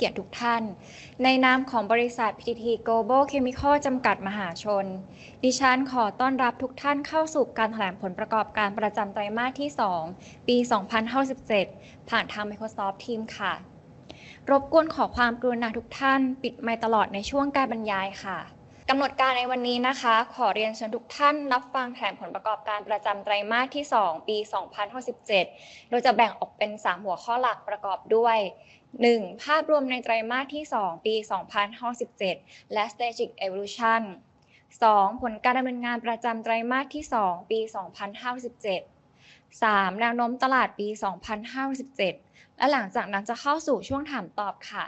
เกียรติทุกท่านในนามของบริษัท PTT Global Chemical จำกัดมหาชนดิฉันขอต้อนรับทุกท่านเข้าสู่การแถลงผลประกอบการประจำไตรมาสที่สองปี2567ผ่านทาง Microsoft Teams ค่ะรบกวนขอความกรุณาทุกท่านปิดไมค์ตลอดในช่วงการบรรยายค่ะกำหนดการในวันนี้นะคะขอเรียนเชิญทุกท่านรับฟังแถลงผลประกอบการประจำไตรมาสที่สองปี2567โดยจะแบ่งออกเป็นสามหัวข้อหลักประกอบด้วยหนึ่งภาพรวมในไตรมาสที่สองปี2567และ Strategic Evolution สองผลการดำเนินงานประจำไตรมาสที่สองปี2567สามแนวโน้มตลาดปี2567และหลังจากนั้นจะเข้าสู่ช่วงถามตอบค่ะ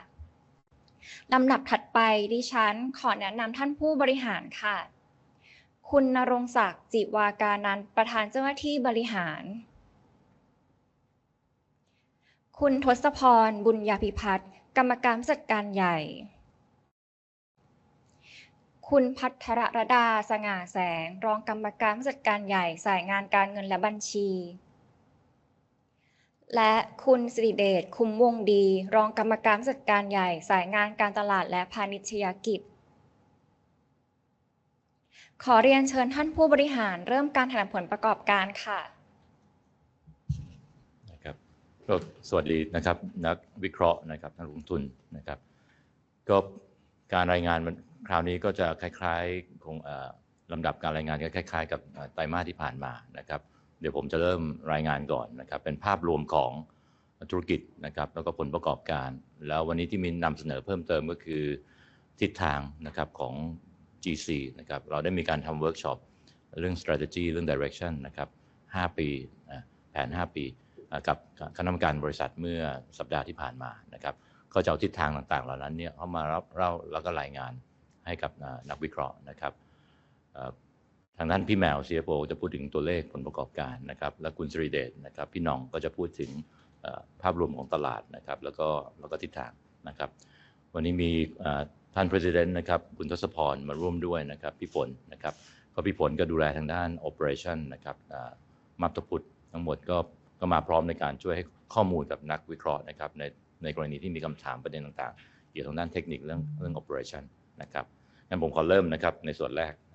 ลำดับถัดไปดิฉันขอแนะนำท่านผู้บริหารค่ะคุณณรงค์ศักดิ์จิวากานันท์ประธานเจ้าหน้าที่บริหา ร, คุณทศพรบุญยาภิพัฒน์กรรมการผู้จัดการใหญ่,คุณภัทรรดาส่งแสงรองกรรมการผู้จัดการใหญ่สายงานการเงินและบัญชีและคุณสิริเดชคุมวงศ์ดีรองกรรมการผู้จัดการใหญ่สายงานการตลาดและพาณิชยกิจขอเรียนเชิญท่านผู้บริหารเริ่มการแถลงผลประกอบการค่ะนะครับก็สวัสดีนะครับนักวิเคราะห์นะครับนักลงทุนนะครับก็การรายงานมันคราวนี้ก็จะคล้ายๆคงเอ่อลำดับการรายงานจะคล้ายๆกับไตรมาสที่ผ่านมานะครับเดี๋ยวผมจะเริ่มรายงานก่อนนะครับเป็นภาพรวมของธุรกิจนะครับแล้วก็ผลประกอบการแล้ววันนี้ที่มีนำเสนอเพิ่มเติมก็คือทิศทางนะครับของ GC นะครับเราได้มีการทำ Workshop เรื่อง Strategy เรื่อง Direction นะครับห้าปีนะแผนห้าปีกับคณะกรรมการบริษัทเมื่อสัปดาห์ที่ผ่านมานะครับก็จะเอาทิศทางต่างๆเหล่านั้นเนี่ยเอามาเล่าแล้วก็รายงานให้กับนักวิเคราะห์นะครับเอ่อทางด้านพี่แมว CFO ก็จะพูดถึงตัวเลขผลประกอบการนะครับและคุณสิริเดชนะครับพี่หน่องก็จะพูดถึงภาพรวมของตลาดนะครับแล้วก็ทิศทางนะครับวันนี้มีท่าน President นะครับคุณทศพรมาร่วมด้วยนะครับพี่ฝนนะครับก็พี่ฝนก็ดูแลทางด้าน Operation นะครับมัธยพุธทั้งหมดก็มาพร้อมในการช่วยให้ข้อมูลกับนักวิเคราะห์นะครับในกรณีที่มีคำถามประเด็นต่างๆเกี่ยวกับด้านเทคนิคเรื่อง Operation นะครับงั้น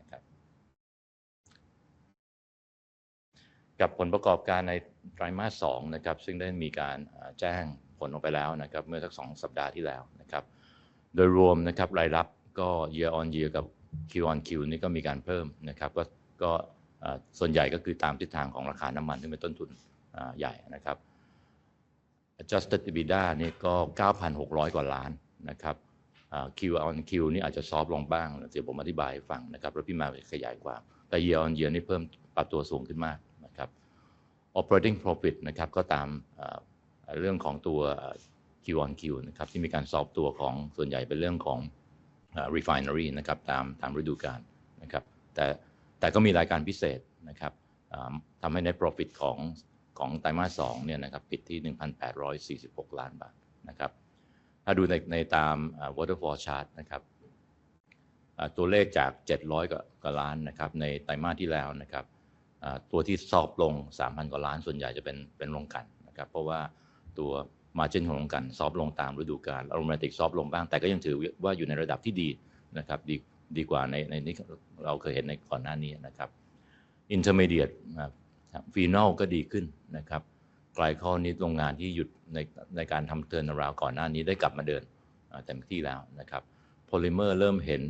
ผมขอเริ่มนะครับในส่วนแรกนะครับกับผลประกอบการในไตรมาสสองนะครับซึ่งได้มีการแจ้งผลออกไปแล้วนะครับเมื่อสักสองสัปดาห์ที่แล้วนะครับโดยรวมนะครับรายรับก็ Year on Year กับ Q on Q นี้ก็มีการเพิ่มนะครับก็ส่วนใหญ่ก็คือตามทิศทางของราคาน้ำมันที่เป็นต้นทุนใหญ่นะครับ Adjusted EBITDA นี่ก็เก้าพันหกร้อยกว่าล้านนะครับอ่า Q on Q นี่อาจจะ Soft ลงบ้างเดี๋ยวผมอธิบายให้ฟังนะครับแล้วพี่แมวขยายความแต่ Year on Year นี่เพิ่มปรับตัวสูงขึ้นมากนะครับ Operating Profit นะครับก็ตามเรื่องของตัว Q on Q นะครับที่มีการ Soft ตัวของส่วนใหญ่เป็นเรื่องของ Refinery นะครับตามฤดูกาลนะครับแต่ก็มีรายการพิเศษนะครับทำให้ Net Profit ของไตรมาสสองเนี่ยนะครับปิดที่หนึ่งพันแปดร้อยสี่สิบหกล้านบาทนะครับถ้าดูในตาม Waterfall Chart นะครับตัวเลขจากเจ็ดร้อยกว่าล้านนะครับในไตรมาสที่แล้วนะครับตัวที่ Soft ลงสามพันกว่าล้านส่วนใหญ่จะเป็นโรงกลั่นนะครับเพราะว่าตัวมาร์จิ้นของโรงกลั่น Soft ลงตามฤดูกาล Automatic Soft ลงบ้างแต่ก็ยังถือว่าอยู่ในระดับที่ดีนะครับดีกว่าในนี้เราเคยเห็นในก่อนหน้านี้นะครับ Intermediate นะ Final ก็ดีขึ้นนะครับ Glycol นี่โรงงานที่หยุดในการทำ Turnaround ก่อนหน้านี้ได้กลับมาเดินเต็มที่แล้วนะครับ Polymer เริ่มเห็น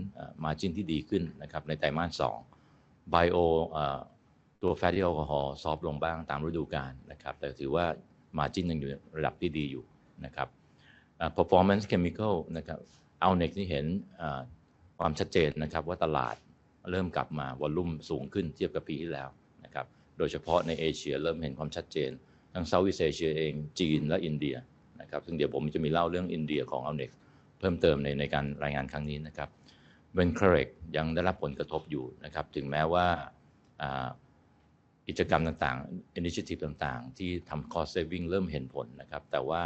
มาร์จิ้นที่ดีขึ้นนะครับในไตรมาสสอง Bio เอ่อตัว Fatty Alcohol Soft ลงบ้างตามฤดูกาลนะครับแต่ถือว่ามาร์จิ้นยังอยู่ในระดับที่ดีอยู่นะครับ Performance Chemical นะครับ Alnex นี่เห็นความชัดเจนนะครับว่าตลาดเริ่มกลับมา Volume สูงขึ้นเทียบกับปีที่แล้วนะครับโดยเฉพาะในเอเชียเริ่มเห็นความชัดเจนทั้ง Southeast เอเชียจีนและอินเดียนะครับซึ่งเดี๋ยวผมจะมีเล่าเรื่องอินเดียของ Alnex เพิ่มเติมในการรายงานครั้งนี้นะครับ Vencloric ยังได้รับผลกระทบอยู่นะครับถึงแม้ว่าอ่ากิจกรรมต่างๆ Initiative ต่างๆที่ทำ Cost Saving เริ่มเห็นผลนะครับแต่ว่า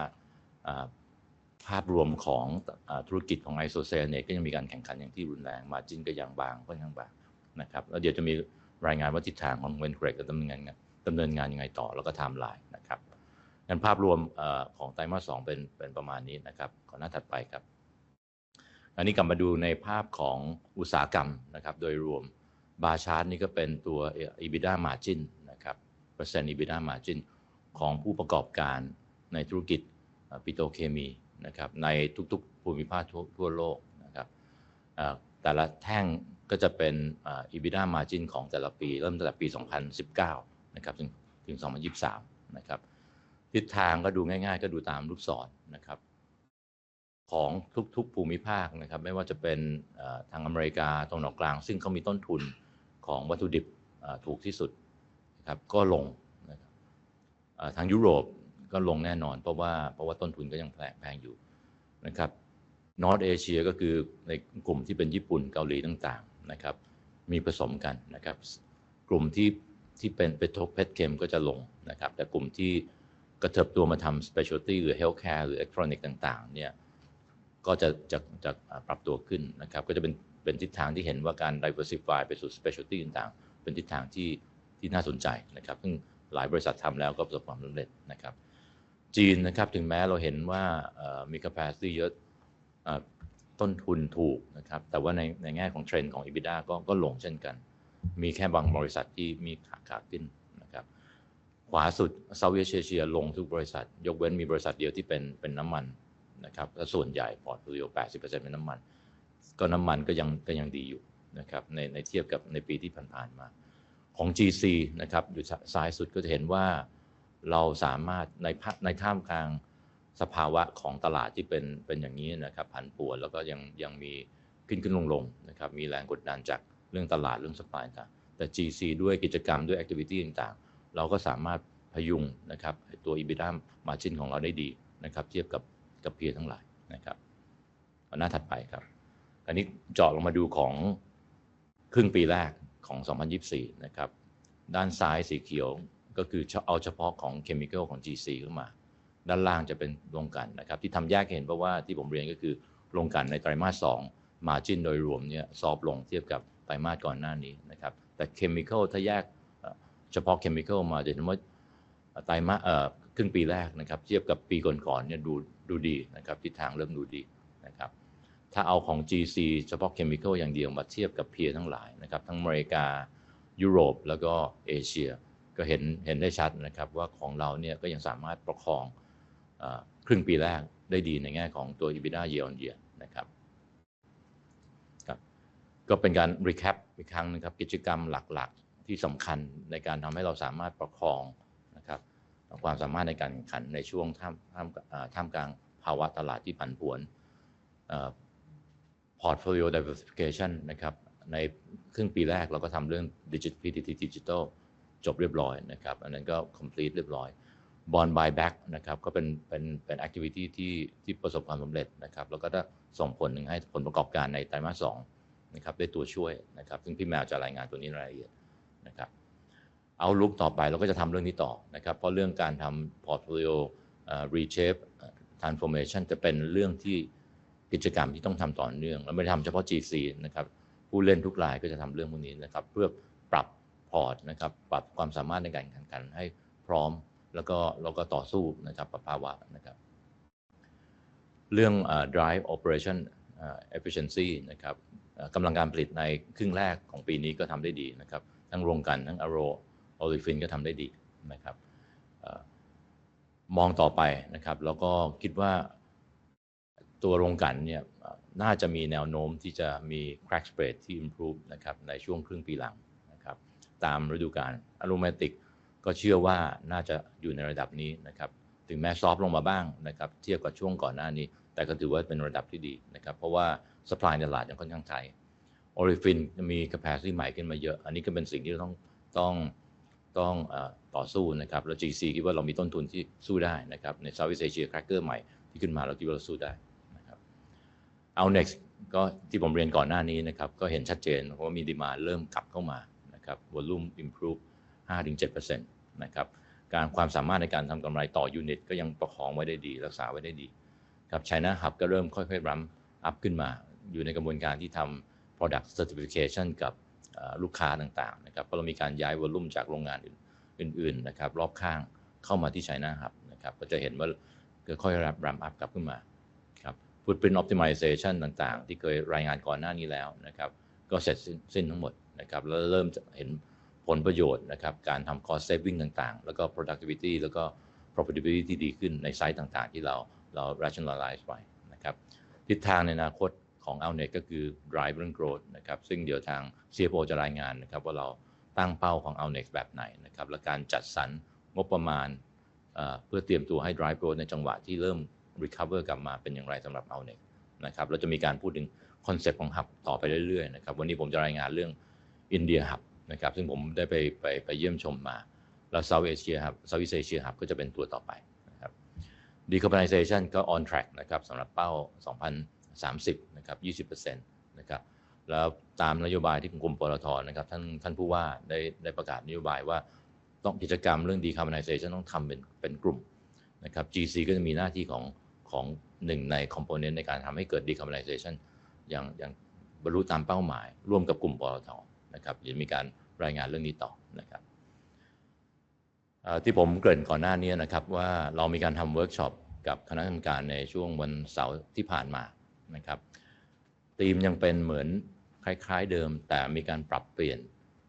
ภาพรวมของธุรกิจของ Isocyanate ก็ยังมีการแข่งขันอย่างที่รุนแรงมาร์จิ้นก็ยังบางนะครับแล้วเดี๋ยวจะมีรายงานว่าทิศทางของ Vencloric จะดำเนินงานยังไงต่อแล้วก็ Timeline นะครับงั้นภาพรวมของไตรมาสสองเป็นประมาณนี้นะครับขอหน้าถัดไปครับอันนี้กลับมาดูในภาพของอุตสาหกรรมนะครับโดยรวม Bar Chart นี้ก็เป็นตัว EBITDA Margin นะครับเปอร์เซ็นต์ EBITDA Margin ของผู้ประกอบการในธุรกิจปิโตรเคมีนะครับในทุกๆภูมิภาคทั่วโลกนะครับเอ่อแต่ละแท่งก็จะเป็น EBITDA Margin ของแต่ละปีเริ่มตั้งแต่ปี2019นะครับถึง2023นะครับทิศทางก็ดูง่ายๆก็ดูตามลูกศรนะครับของทุกๆภูมิภาคนะครับไม่ว่าจะเป็นทางอเมริกาตะวันออกกลางซึ่งเขามีต้นทุนของวัตถุดิบถูกที่สุดนะครับก็ลงนะครับทางยุโรปก็ลงแน่นอนเพราะว่าต้นทุนก็ยังแพงอยู่นะครับ North Asia ก็คือในกลุ่มที่เป็นญี่ปุ่นเกาหลีต่างๆนะครับมีผสมกันนะครับกลุ่มที่เป็นปิโตรเคมีก็จะลงนะครับแต่กลุ่มที่กระเถิบตัวมาทำ Specialty หรือ Healthcare หรืออิเล็กทรอนิกส์ต่างๆเนี่ ย... ก็จะจะจะปรับตัวขึ้นนะครับก็จะเป็นเป็นทิศทางที่เห็นว่าการ Diversify ไปสู่ Specialty ต่างๆเป็นทิศทางที่ที่น่าสนใจนะครับซึ่งหลายบริษัททำแล้วก็ประสบความสำเร็จนะครับจีนนะครับถึงแม้เราเห็นว่าเอ่อมี Capacity เยอะเอ่อต้นทุนถูกนะครับแต่ว่าในในแง่ของ Trend ของ EBITDA ก็ก็ลงเช่นกันมีแค่บางบริษัทที่มีขาขึ้นนะครับขวาสุด Southeast Asia ลงทุกบริษัทยกเว้นมีบริษัทเดียวที่เป็นเป็นน้ำมันนะครับและส่วนใหญ่ Portfolio แปดสิบเปอร์เซ็นต์เป็นน้ำมันก็น้ำมันก็ยังก็ยังดีอยู่นะครับในในเทียบกับในปีที่ผ่านๆมาของ GC นะครับอยู่ซ้ายสุดก็จะเห็นว่าเราสามารถในในท่ามกลางสภาวะของตลาดที่เป็นเป็นอย่างนี้นะครับผันผวนแล้วก็ยังยังมีขึ้นๆลงๆนะครับมีแรงกดดันจากเรื่องตลาดเรื่อง Supply ต่างๆแต่ GC ด้วยกิจกรรมด้วย Activity ต่างๆเราก็สามารถพยุงนะครับตัว EBITDA Margin ของเราได้ดีนะครับเทียบกับกับ Peer ทั้งหลายนะครับหน้าถัดไปครับคราวนี้เจาะลงมาดูของครึ่งปีแรกของ2024นะครับด้านซ้ายสีเขียวก็คือเอาเฉพาะของ Chemical ของ GC เข้ามาด้านล่างจะเป็นโรงกลั่นนะครับที่ทำแยกเห็นเพราะว่าที่ผมเรียนก็คือโรงกลั่นในไตรมาสสอง Margin โดยรวมเนี่ย Soft ลงเทียบกับไตรมาสก่อนหน้านี้นะครับแต่ Chemical ถ้าแยกเฉพาะ Chemical มาจะเห็นว่าไตรมาสเอ่อครึ่งปีแรกนะครับเทียบกับปีก่อนๆเนี่ยดูดูดีนะครับทิศทางเริ่มดูดีนะครับถ้าเอาของ GC เฉพาะ Chemical อย่างเดียวมาเทียบกับ Peer ทั้งหลายนะครับทั้งอเมริกายุโรปแล้วก็เอเชียก็เห็นเห็นได้ชัดนะครับว่าของเราเนี่ยก็ยังสามารถประคองเอ่อครึ่งปีแรกได้ดีในแง่ของตัว EBITDA Year on Year นะครับครับก็เป็นการ Recap อีกครั้งนะครับกิจกรรมหลักๆที่สำคัญในการทำให้เราสามารถประคองนะครับความสามารถในการแข่งขันในช่วงท่ามท่ามเอ่อท่ามกลางภาวะตลาดที่ผันผวนเอ่อ Portfolio Diversification นะครับในครึ่งปีแรกเราก็ทำเรื่อง PDT Digital จบเรียบร้อยนะครับอันนั้นก็ Complete เรียบร้อย Bond Buyback นะครับก็เป็นเป็นเป็น Activity ที่ที่ประสบความสำเร็จนะครับแล้วก็ได้ส่งผลให้ผลประกอบการในไตรมาสสองนะครับได้ตัวช่วยนะครับซึ่งพี่แมวจะรายงานตัวนี้ในรายละเอียดนะครับ Outlook ต่อไปเราก็จะทำเรื่องนี้ต่อนะครับเพราะเรื่องการทำ Portfolio Reshape Transformation จะเป็นเรื่องที่กิจกรรมที่ต้องทำต่อเนื่องและไม่ได้ทำเฉพาะ GC นะครับผู้เล่นทุกรายก็จะทำเรื่องพวกนี้นะครับเพื่อปรับพอร์ตนะครับปรับความสามารถในการแข่งขันให้พร้อมแล้วก็แล้วก็ต่อสู้นะครับกับภาวะนะครับเรื่อง Drive Operation Efficiency นะครับกำลังการผลิตในครึ่งแรกของปีนี้ก็ทำได้ดีนะครับทั้งโรงกลั่นทั้ง Olefin ก็ทำได้ดีนะครับเอ่อมองต่อไปนะครับเราก็คิดว่าตัวโรงกลั่นเนี่ยน่าจะมีแนวโน้มที่จะมี Crack Spread ที่ Improve นะครับในช่วงครึ่งปีหลังนะครับตามฤดูกาล Aromatic ก็เชื่อว่าน่าจะอยู่ในระดับนี้นะครับถึงแม้ Soft ลงมาบ้างนะครับเทียบกับช่วงก่อนหน้านี้แต่ก็ถือว่าเป็นระดับที่ดีนะครับเพราะว่า Supply ในตลาดยังค่อนข้าง Tight Olefin ยังมี Capacity ใหม่ขึ้นมาเยอะอันนี้ก็เป็นสิ่งที่เราต้องต้องต้องเอ่อต่อสู้นะครับแล้ว GC คิดว่าเรามีต้นทุนที่สู้ได้นะครับใน Southeast Asia Cracker ใหม่ที่ขึ้นมาเราคิดว่าเราสู้ได้นะครับ Alnex ก็ที่ผมเรียนก่อนหน้านี้นะครับก็เห็นชัดเจนเพราะว่ามี Demand เริ่มกลับเข้ามานะครับ Volume Improve ห้าถึงเจ็ดเปอร์เซ็นต์นะครับการความสามารถในการทำกำไรต่อยูนิตก็ยังประคองไว้ได้ดีรักษาไว้ได้ดีครับ China Hub ก็เริ่มค่อยๆ Ramp up ขึ้นมาอยู่ในกระบวนการที่ทำ Product Certification กับลูกค้าต่างๆนะครับเพราะเรามีการย้าย Volume จากโรงงานอื่นอื่นๆนะครับรอบข้างเข้ามาที่ China Hub นะครับก็จะเห็นว่าก็ค่อยๆ Ramp up กลับขึ้นมาครับ Footprint Optimization ต่างๆที่เคยรายงานก่อนหน้านี้แล้วนะครับก็เสร็จสิ้นสิ้นทั้งหมดนะครับแล้วเริ่มจะเห็นผลประโยชน์นะครับการทำ Cost Saving ต่างๆแล้วก็ Productivity แล้วก็ Profitability ที่ดีขึ้นในไซต์ต่างๆที่เราเรา Rationalize ไว้นะครับทิศทางในอนาคตของ Alnex ก็คือ Drive Growth นะครับซึ่งเดี๋ยวทาง CFO จะรายงานนะครับว่าเราตั้งเป้าของ Alnex แบบไหนนะครับและการจัดสรรงบประมาณเอ่อเพื่อเตรียมตัวให้ Drive Growth ในจังหวะที่เริ่ม Recover กลับมาเป็นอย่างไรสำหรับ Alnex นะครับแล้วจะมีการพูดถึง Concept ของ Hub ต่อไปเรื่อยๆนะครับวันนี้ผมจะรายงานเรื่อง India Hub นะครับซึ่งผมได้ไปไปไปเยี่ยมชมมาแล้ว South Asia Hub Southeast Asia Hub ก็จะเป็นตัวต่อไปนะครับ Decarbonization ก็ On Track นะครับสำหรับเป้าสองพันสามสิบนะครับยี่สิบเปอร์เซ็นต์นะครับแล้วตามนโยบายที่กลุ่มปต ท. นะครับท่านท่านผู้ว่าได้ได้ประกาศนโยบายว่าต้องกิจกรรมเรื่อง Decarbonization ต้องทำเป็นเป็นกลุ่มนะครับ GC ก็จะมีหน้าที่ของของหนึ่งใน Component ในการทำให้เกิด Decarbonization อย่างอย่างบรรลุตามเป้าหมายร่วมกับกลุ่มปต ท. นะครับเดี๋ยวจะมีการรายงานเรื่องนี้ต่อนะครับเอ่อที่ผมเกริ่นก่อนหน้านี้นะครับว่าเรามีการทำ Workshop กับคณะกรรมการในช่วงวันเสาร์ที่ผ่านมานะครับธีมยังเป็นเหมือนคล้ายๆเดิมแต่มีการปรับเปลี่ยน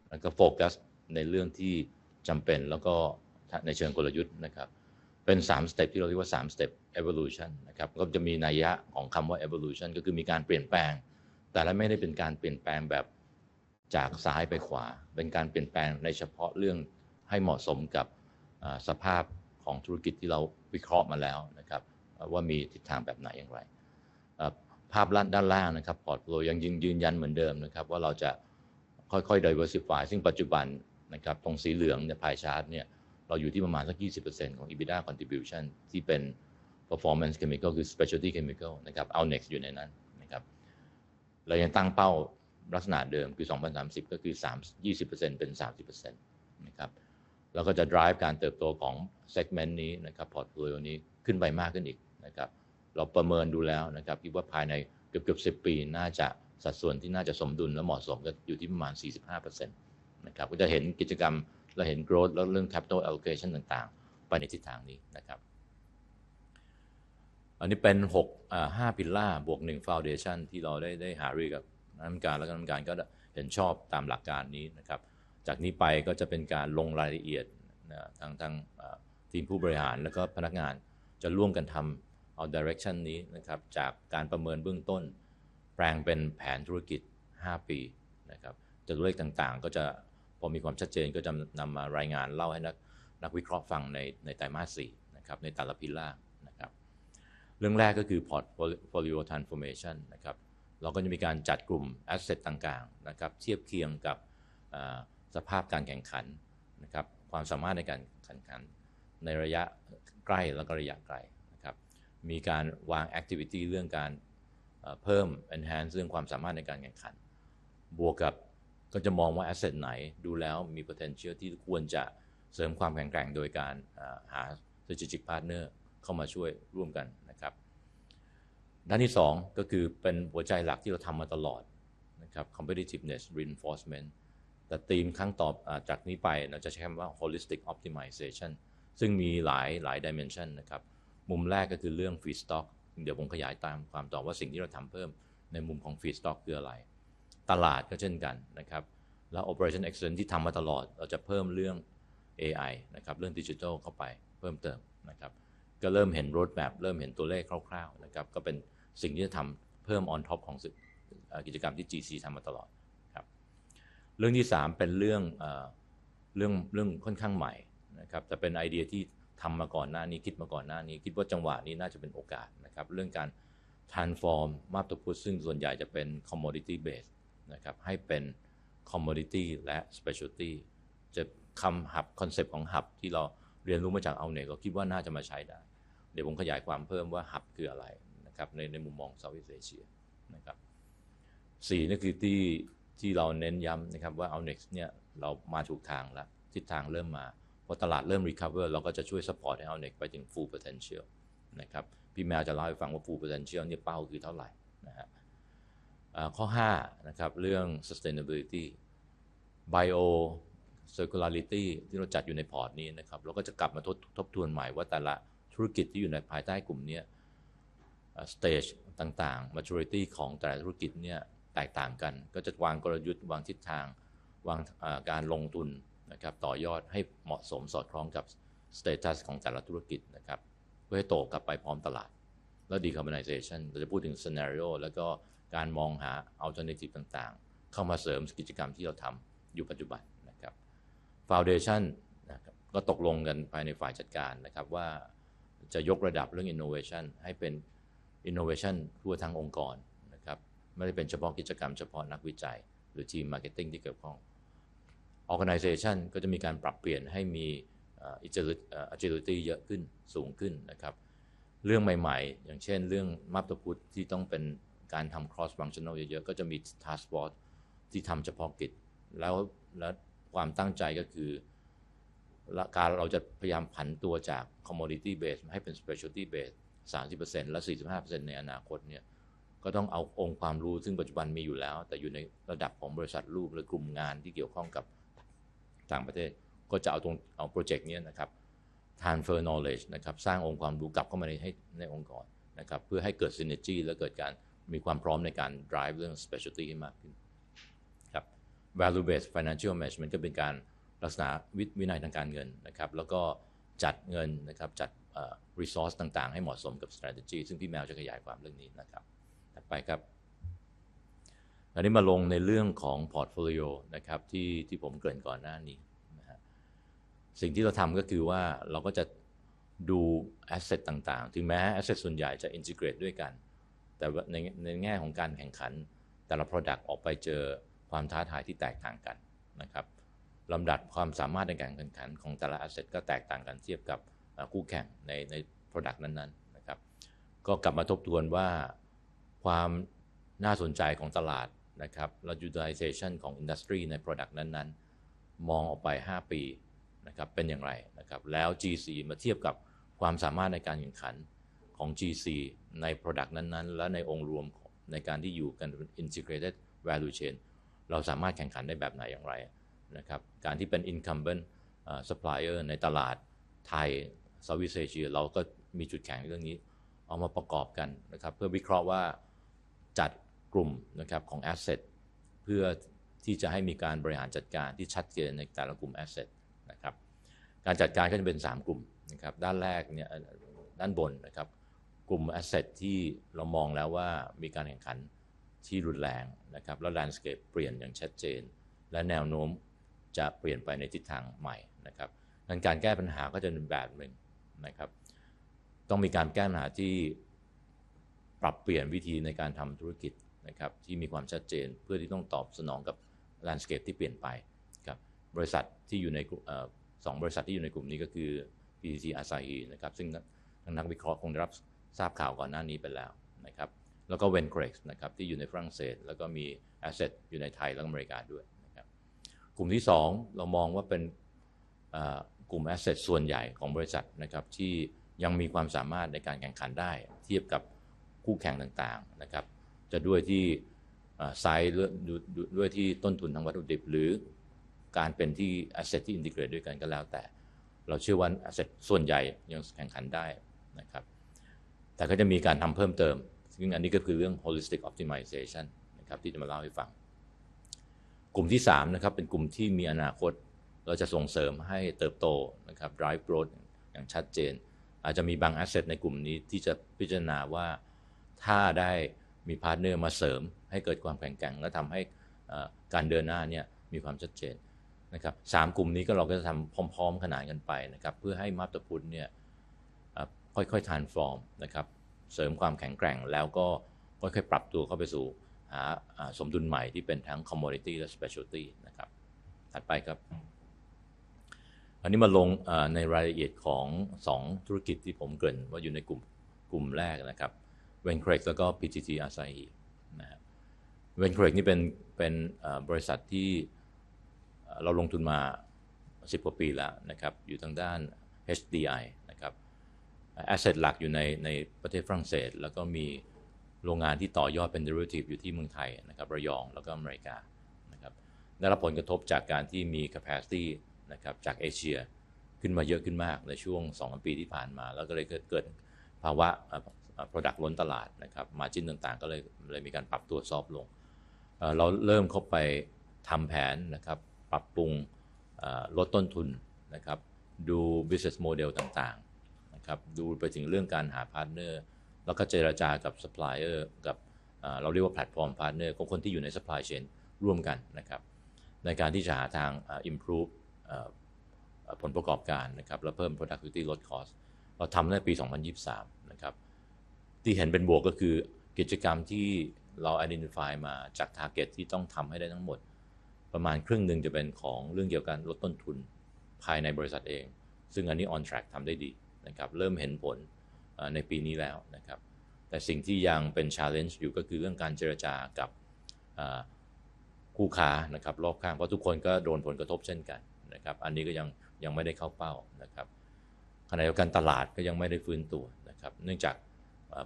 แล้วก็โฟกัสในเรื่องที่จำเป็นแล้วก็ในเชิงกลยุทธ์นะครับเป็นสามสเต็ปที่เราเรียกว่าสามสเต็ป Evolution นะครับก็จะมีนัยยะของคำว่า Evolution ก็คือมีการเปลี่ยนแปลงแต่ไม่ได้เป็นการเปลี่ยนแปลงแบบจากซ้ายไปขวาเป็นการเปลี่ยนแปลงในเฉพาะเรื่องให้เหมาะสมกับสภาพของธุรกิจที่เราวิเคราะห์มาแล้วนะครับว่ามีทิศทางแบบไหนอย่างไรเอ่อภาพด้านล่างนะครับ Portfolio ยังยืนยันเหมือนเดิมนะครับว่าเราจะค่อยๆ Diversify ซึ่งปัจจุบันนะครับตรงสีเหลืองในพายชาร์ตเนี่ยเราอยู่ที่ประมาณสักยี่สิบเปอร์เซ็นต์ของ EBITDA Contribution ที่เป็น Performance Chemical คือ Specialty Chemical นะครับ Alnex อยู่ในนั้นนะครับเรายังตั้งเป้าลักษณะเดิมคือ2030ก็คือสามยี่สิบเปอร์เซ็นต์เป็นสามสิบเปอร์เซ็นต์นะครับแล้วก็จะ Drive การเติบโตของ Segment นี้นะครับ Portfolio นี้ขึ้นไปมากขึ้นอีกนะครับเราประเมินดูแล้วนะครับคิดว่าภายในเกือบเกือบสิบปีน่าจะสัดส่วนที่น่าจะสมดุลและเหมาะสมก็อยู่ที่ประมาณสี่สิบห้าเปอร์เซ็นต์นะครับก็จะเห็นกิจกรรมและเห็น Growth แล้วเรื่อง Capital Allocation ต่างๆไปในทิศทางนี้นะครับอันนี้เป็นหกอ่าห้า Pillar บวกหนึ่ง Foundation ที่เราได้ได้หารือกับคณะกรรมการและคณะกรรมการก็เห็นชอบตามหลักการนี้นะครับจากนี้ไปก็จะเป็นการลงรายละเอียดนะทางทางทีมผู้บริหารและก็พนักงานจะร่วมกันทำเอา Direction นี้นะครับจากการประเมินเบื้องต้นแปลงเป็นแผนธุรกิจห้าปีนะครับตัวเลขต่างๆก็จะพอมีความชัดเจนก็จะนำมารายงานเล่าให้นักนักวิเคราะห์ฟังในในไตรมาสสี่นะครับในแต่ละ Pillar นะครับเรื่องแรกก็คือ Portfolio Transformation นะครับเราก็จะมีการจัดกลุ่ม Asset ต่างๆนะครับเทียบเคียงกับสภาพการแข่งขันนะครับความสามารถในการแข่งขันในระยะใกล้แล้วก็ระยะไกลนะครับมีการวาง Activity เรื่องการเพิ่ม Enhance เรื่องความสามารถในการแข่งขันบวกกับก็จะมองว่า Asset ไหนดูแล้วมี Potential ที่ควรจะเสริมความแข็งแกร่งโดยการหา Strategic Partner เข้ามาช่วยร่วมกันนะครับด้านที่สองก็คือเป็นหัวใจหลักที่เราทำมาตลอดนะครับ Competitiveness Reinforcement แต่ Theme ครั้งต่อจากนี้ไปเราจะใช้คำว่า Holistic Optimization ซึ่งมีหลายหลาย Dimension นะครับมุมแรกก็คือเรื่อง Feedstock เดี๋ยวผมขยายตามความต่อว่าสิ่งที่เราทำเพิ่มในมุมของ Feedstock คืออะไรตลาดก็เช่นกันนะครับแล้ว Operation Excellent ที่ทำมาตลอดเราจะเพิ่มเรื่อง AI นะครับเรื่อง Digital เข้าไปเพิ่มเติมนะครับก็เริ่มเห็น Roadmap เริ่มเห็นตัวเลขคร่าวๆนะครับก็เป็นสิ่งที่จะทำเพิ่ม On Top ของกิจกรรมที่ GC ทำมาตลอดครับเรื่องที่สามเป็นเรื่องเอ่อเรื่องเรื่องค่อนข้างใหม่นะครับแต่เป็นไอเดียที่ทำมาก่อนหน้านี้คิดมาก่อนหน้านี้คิดว่าจังหวะนี้น่าจะเป็นโอกาสนะครับเรื่องการ Transform Map To Put ซึ่งส่วนใหญ่จะเป็น Commodity Based นะครับให้เป็น Commodity และ Specialty จะคำ Hub Concept ของ Hub ที่เราเรียนรู้มาจาก Outnet เราคิดว่าน่าจะมาใช้ได้เดี๋ยวผมขยายความเพิ่มว่า Hub คืออะไรนะครับในในมุมมองของ Southeast Asia นะครับสี่นี่คือที่ที่เราเน้นย้ำนะครับว่า Outnet เนี่ยเรามาถูกทางแล้วทิศทางเริ่มมาพอตลาดเริ่ม Recover เราก็จะช่วย Support ให้ Outnet ไปถึง Full Potential นะครับพี่แมวจะเล่าให้ฟังว่า Full Potential เนี่ยเป้าคือเท่าไหร่นะฮะเอ่อข้อห้านะครับเรื่อง Sustainability Bio Circularity ที่เราจัดอยู่ในพอร์ตนี้นะครับเราก็จะกลับมาทบทบทวนใหม่ว่าแต่ละธุรกิจที่อยู่ในภายใต้กลุ่มนี้ Stage ต่างๆ Maturity ของแต่ละธุรกิจเนี่ยแตกต่างกันก็จะวางกลยุทธ์วางทิศทางวางการลงทุนนะครับต่อยอดให้เหมาะสมสอดคล้องกับ Status ของแต่ละธุรกิจนะครับเพื่อให้โตกลับไปพร้อมตลาดและ Decarbonization เราจะพูดถึง Scenario แล้วก็การมองหา Alternative ต่างๆเข้ามาเสริมกิจกรรมที่เราทำอยู่ปัจจุบันนะครับ Foundation นะครับก็ตกลงกันภายในฝ่ายจัดการนะครับว่าจะยกระดับเรื่อง Innovation ให้เป็น Innovation ทั่วทั้งองค์กรนะครับไม่ได้เป็นเฉพาะกิจกรรมเฉพาะนักวิจัยหรือทีม Marketing ที่เกี่ยวข้อง Organization ก็จะมีการปรับเปลี่ยนให้มี Agility Agility เยอะขึ้นสูงขึ้นนะครับเรื่องใหม่ๆอย่างเช่นเรื่อง Map To Put ที่ต้องเป็นการทำ Cross Functional เยอะๆก็จะมี Task Force ที่ทำเฉพาะกิจแล้วแล้วความตั้งใจก็คือเราเราจะพยายามผันตัวจาก Commodity Based ให้เป็น Specialty Based สามสิบเปอร์เซ็นต์และสี่สิบห้าเปอร์เซ็นต์ในอนาคตเนี่ยก็ต้องเอาองค์ความรู้ซึ่งปัจจุบันมีอยู่แล้วแต่อยู่ในระดับของบริษัทลูกหรือกลุ่มงานที่เกี่ยวข้องกับต่างประเทศก็จะเอาตรงเอา Project นี้นะครับ Transfer Knowledge นะครับสร้างองค์ความรู้กลับเข้ามาในให้ในองค์กรนะครับเพื่อให้เกิด Synergy และเกิดการมีความพร้อมในการ Drive เรื่อง Specialty ให้มากขึ้นครับ Value Based Financial Management ก็เป็นการรักษาวินัยทางการเงินนะครับแล้วก็จัดเงินนะครับจัด Resource ต่างๆให้เหมาะสมกับ Strategy ซึ่งพี่แมวจะขยายความเรื่องนี้นะครับถัดไปครับอันนี้มาลงในเรื่องของ Portfolio นะครับที่ที่ผมเกริ่นก่อนหน้านี้นะฮะสิ่งที่เราทำก็คือว่าเราก็จะดู Asset ต่างๆถึงแม้ Asset ส่วนใหญ่จะ Integrate ด้วยกันแต่ในในแง่ของการแข่งขันแต่ละ Product ออกไปเจอความท้าทายที่แตกต่างกันนะครับลำดับความสามารถในการแข่งขันของแต่ละ Asset ก็แตกต่างกันเทียบกับคู่แข่งในใน Product นั้นๆนะครับก็กลับมาทบทวนว่าความน่าสนใจของตลาดนะครับและ Utilization ของ Industry ใน Product นั้นๆมองออกไปห้าปีนะครับเป็นอย่างไรนะครับแล้ว GC มาเทียบกับความสามารถในการแข่งขันของ GC ใน Product นั้นๆและในองค์รวมในการที่อยู่กัน Integrated Value Chain เราสามารถแข่งขันได้แบบไหนอย่างไรนะครับการที่เป็น Incumbent Supplier ในตลาดไทย Southeast Asia เราก็มีจุดแข็งในเรื่องนี้เอามาประกอบกันนะครับเพื่อวิเคราะห์ว่าจัดกลุ่มนะครับของ Asset เพื่อที่จะให้มีการบริหารจัดการที่ชัดเจนในแต่ละกลุ่ม Asset นะครับการจัดการก็จะเป็นสามกลุ่มนะครับด้านแรกเนี่ยด้านบนนะครับกลุ่ม Asset ที่เรามองแล้วว่ามีการแข่งขันที่รุนแรงนะครับแล้ว Landscape เปลี่ยนอย่างชัดเจนและแนวโน้มจะเปลี่ยนไปในทิศทางใหม่นะครับดังนั้นการแก้ปัญหาก็จะเป็นอีกแบบหนึ่งนะครับต้องมีการแก้ปัญหาที่ปรับเปลี่ยนวิธีในการทำธุรกิจนะครับที่มีความชัดเจนเพื่อที่ต้องตอบสนองกับ Landscape ที่เปลี่ยนไปครับบริษัทที่อยู่ในกลุ่มเอ่อสองบริษัทที่อยู่ในกลุ่มนี้ก็คือ PTTRC นะครับซึ่งทั้งนักวิเคราะห์คงได้รับทราบข่าวก่อนหน้านี้ไปแล้วนะครับแล้วก็ Vencorec นะครับที่อยู่ในฝรั่งเศสแล้วก็มี Asset อยู่ในไทยและอเมริกาด้วยนะครับกลุ่มที่สองเรามองว่าเป็นเอ่อกลุ่ม Asset ส่วนใหญ่ของบริษัทนะครับที่ยังมีความสามารถในการแข่งขันได้เทียบกับคู่แข่งต่างๆนะครับจะด้วยที่ size หรือด้วยที่ต้นทุนทางวัตถุดิบหรือการเป็นที่ Asset ที่ Integrate ด้วยกันก็แล้วแต่เราเชื่อว่า Asset ส่วนใหญ่ยังแข่งขันได้นะครับแต่ก็จะมีการทำเพิ่มเติมซึ่งอันนี้ก็คือเรื่อง Holistic Optimization นะครับที่จะมาเล่าให้ฟังกลุ่มที่สามนะครับเป็นกลุ่มที่มีอนาคตเราจะส่งเสริมให้เติบโตนะครับ Drive Growth อย่างชัดเจนอาจจะมีบาง Asset ในกลุ่มนี้ที่จะพิจารณาว่าถ้าได้มี Partner มาเสริมให้เกิดความแข็งแกร่งและทำให้การเดินหน้าเนี่ยมีความชัดเจนนะครับสามกลุ่มนี้เราก็จะทำพร้อมๆขนานกันไปนะครับเพื่อให้ Maptaput เนี่ยค่อยๆ Transform นะครับเสริมความแข็งแกร่งแล้วก็ค่อยๆปรับตัวเข้าไปสู่หาสมดุลใหม่ที่เป็นทั้ง Commodity และ Specialty นะครับถัดไปครับอันนี้มาลงในรายละเอียดของสองธุรกิจที่ผมเกริ่นว่าอยู่ในกลุ่มกลุ่มแรกนะครับ Vencoec แล้วก็ PTT Asahi นะครับ Vencoec นี่เป็นเป็นบริษัทที่เราลงทุนมาสิบกว่าปีแล้วนะครับอยู่ทางด้าน HDI นะครับ Asset หลักอยู่ในในประเทศฝรั่งเศสแล้วก็มีโรงงานที่ต่อยอดเป็น Derivative อยู่ที่เมืองไทยนะครับระยองแล้วก็อเมริกานะครับได้รับผลกระทบจากการที่มี Capacity นะครับจากเอเชียขึ้นมาเยอะขึ้นมากในช่วงสองสามปีที่ผ่านมาแล้วก็เลยเกิดเกิดภาวะ Product ล้นตลาดนะครับ Margin ต่างๆก็เลยมีการปรับตัว Soft ลงเราเริ่มเข้าไปทำแผนนะครับปรับปรุงเอ่อลดต้นทุนนะครับดู Business Model ต่างๆนะครับดูไปถึงเรื่องการหา Partner แล้วก็เจรจากับ Supplier กับเราเรียกว่า Platform Partner ของคนที่อยู่ใน Supply Chain ร่วมกันนะครับในการที่จะหาทาง Improve เอ่อผลประกอบการนะครับและเพิ่ม Product Quality ลด Cost เราทำตั้งแต่ปี2023นะครับที่เห็นเป็นบวกก็คือกิจกรรมที่เรา Identify มาจาก Target ที่ต้องทำให้ได้ทั้งหมดประมาณครึ่งหนึ่งจะเป็นของเรื่องเกี่ยวกับการลดต้นทุนภายในบริษัทเองซึ่งอันนี้ On Track ทำได้ดีนะครับเริ่มเห็นผลในปีนี้แล้วนะครับแต่สิ่งที่ยังเป็น Challenge อยู่ก็คือเรื่องการเจรจากับเอ่อคู่ค้านะครับรอบข้างเพราะทุกคนก็โดนผลกระทบเช่นกันนะครับอันนี้ก็ยังยังไม่ได้เข้าเป้านะครับขณะเดียวกันตลาดก็ยังไม่ได้ฟื้นตัวนะครับเนื่องจาก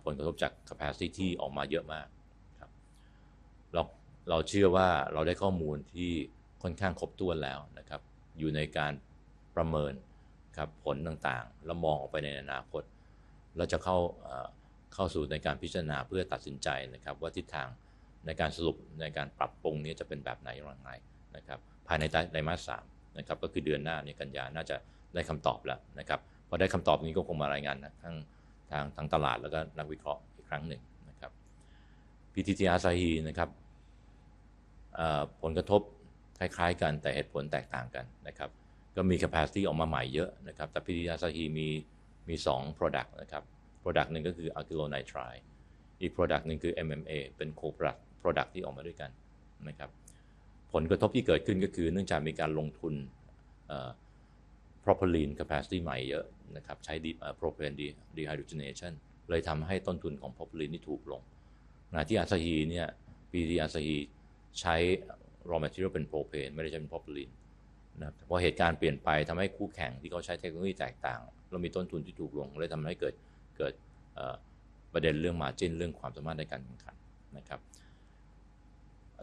ผลกระทบจาก Capacity ออกมาเยอะมากครับเราเราเชื่อว่าเราได้ข้อมูลที่ค่อนข้างครบถ้วนแล้วนะครับอยู่ในการประเมินครับผลต่างๆแล้วมองออกไปในอนาคตแล้วจะเข้าเข้าสู่ในการพิจารณาเพื่อตัดสินใจนะครับว่าทิศทางในการสรุปในการปรับปรุงนี้จะเป็นแบบไหนอย่างไรนะครับภายในไตรมาสสามนะครับก็คือเดือนหน้าในกันยายนน่าจะได้คำตอบแล้วนะครับพอได้คำตอบนี้ก็คงมารายงานทั้งทางทางตลาดและก็นักวิเคราะห์อีกครั้งหนึ่งนะครับ PTT Asahi นะครับเอ่อผลกระทบคล้ายๆกันแต่เหตุผลแตกต่างกันนะครับก็มี Capacity ออกมาใหม่เยอะนะครับแต่ PTT Asahi มีมีสอง Product นะครับ Product หนึ่งก็คือ Acrylonitrile อีก Product หนึ่งคือ MMA เป็น Co Product Product ที่ออกมาด้วยกันนะครับผลกระทบที่เกิดขึ้นก็คือเนื่องจากมีการลงทุนเอ่อ Propylene Capacity ใหม่เยอะนะครับใช้ Propane Dehydrogenation เลยทำให้ต้นทุนของ Propylene นี่ถูกลงขณะที่ Asahi เนี่ย PTT Asahi ใช้ Raw Material เป็น Propane ไม่ได้ใช้เป็น Propylene นะครับพอเหตุการณ์เปลี่ยนไปทำให้คู่แข่งที่เขาใช้เทคโนโลยีแตกต่างแล้วมีต้นทุนที่ถูกลงเลยทำให้เกิดเกิดเอ่อประเด็นเรื่อง Margin เรื่องความสามารถในการแข่งขันนะครับ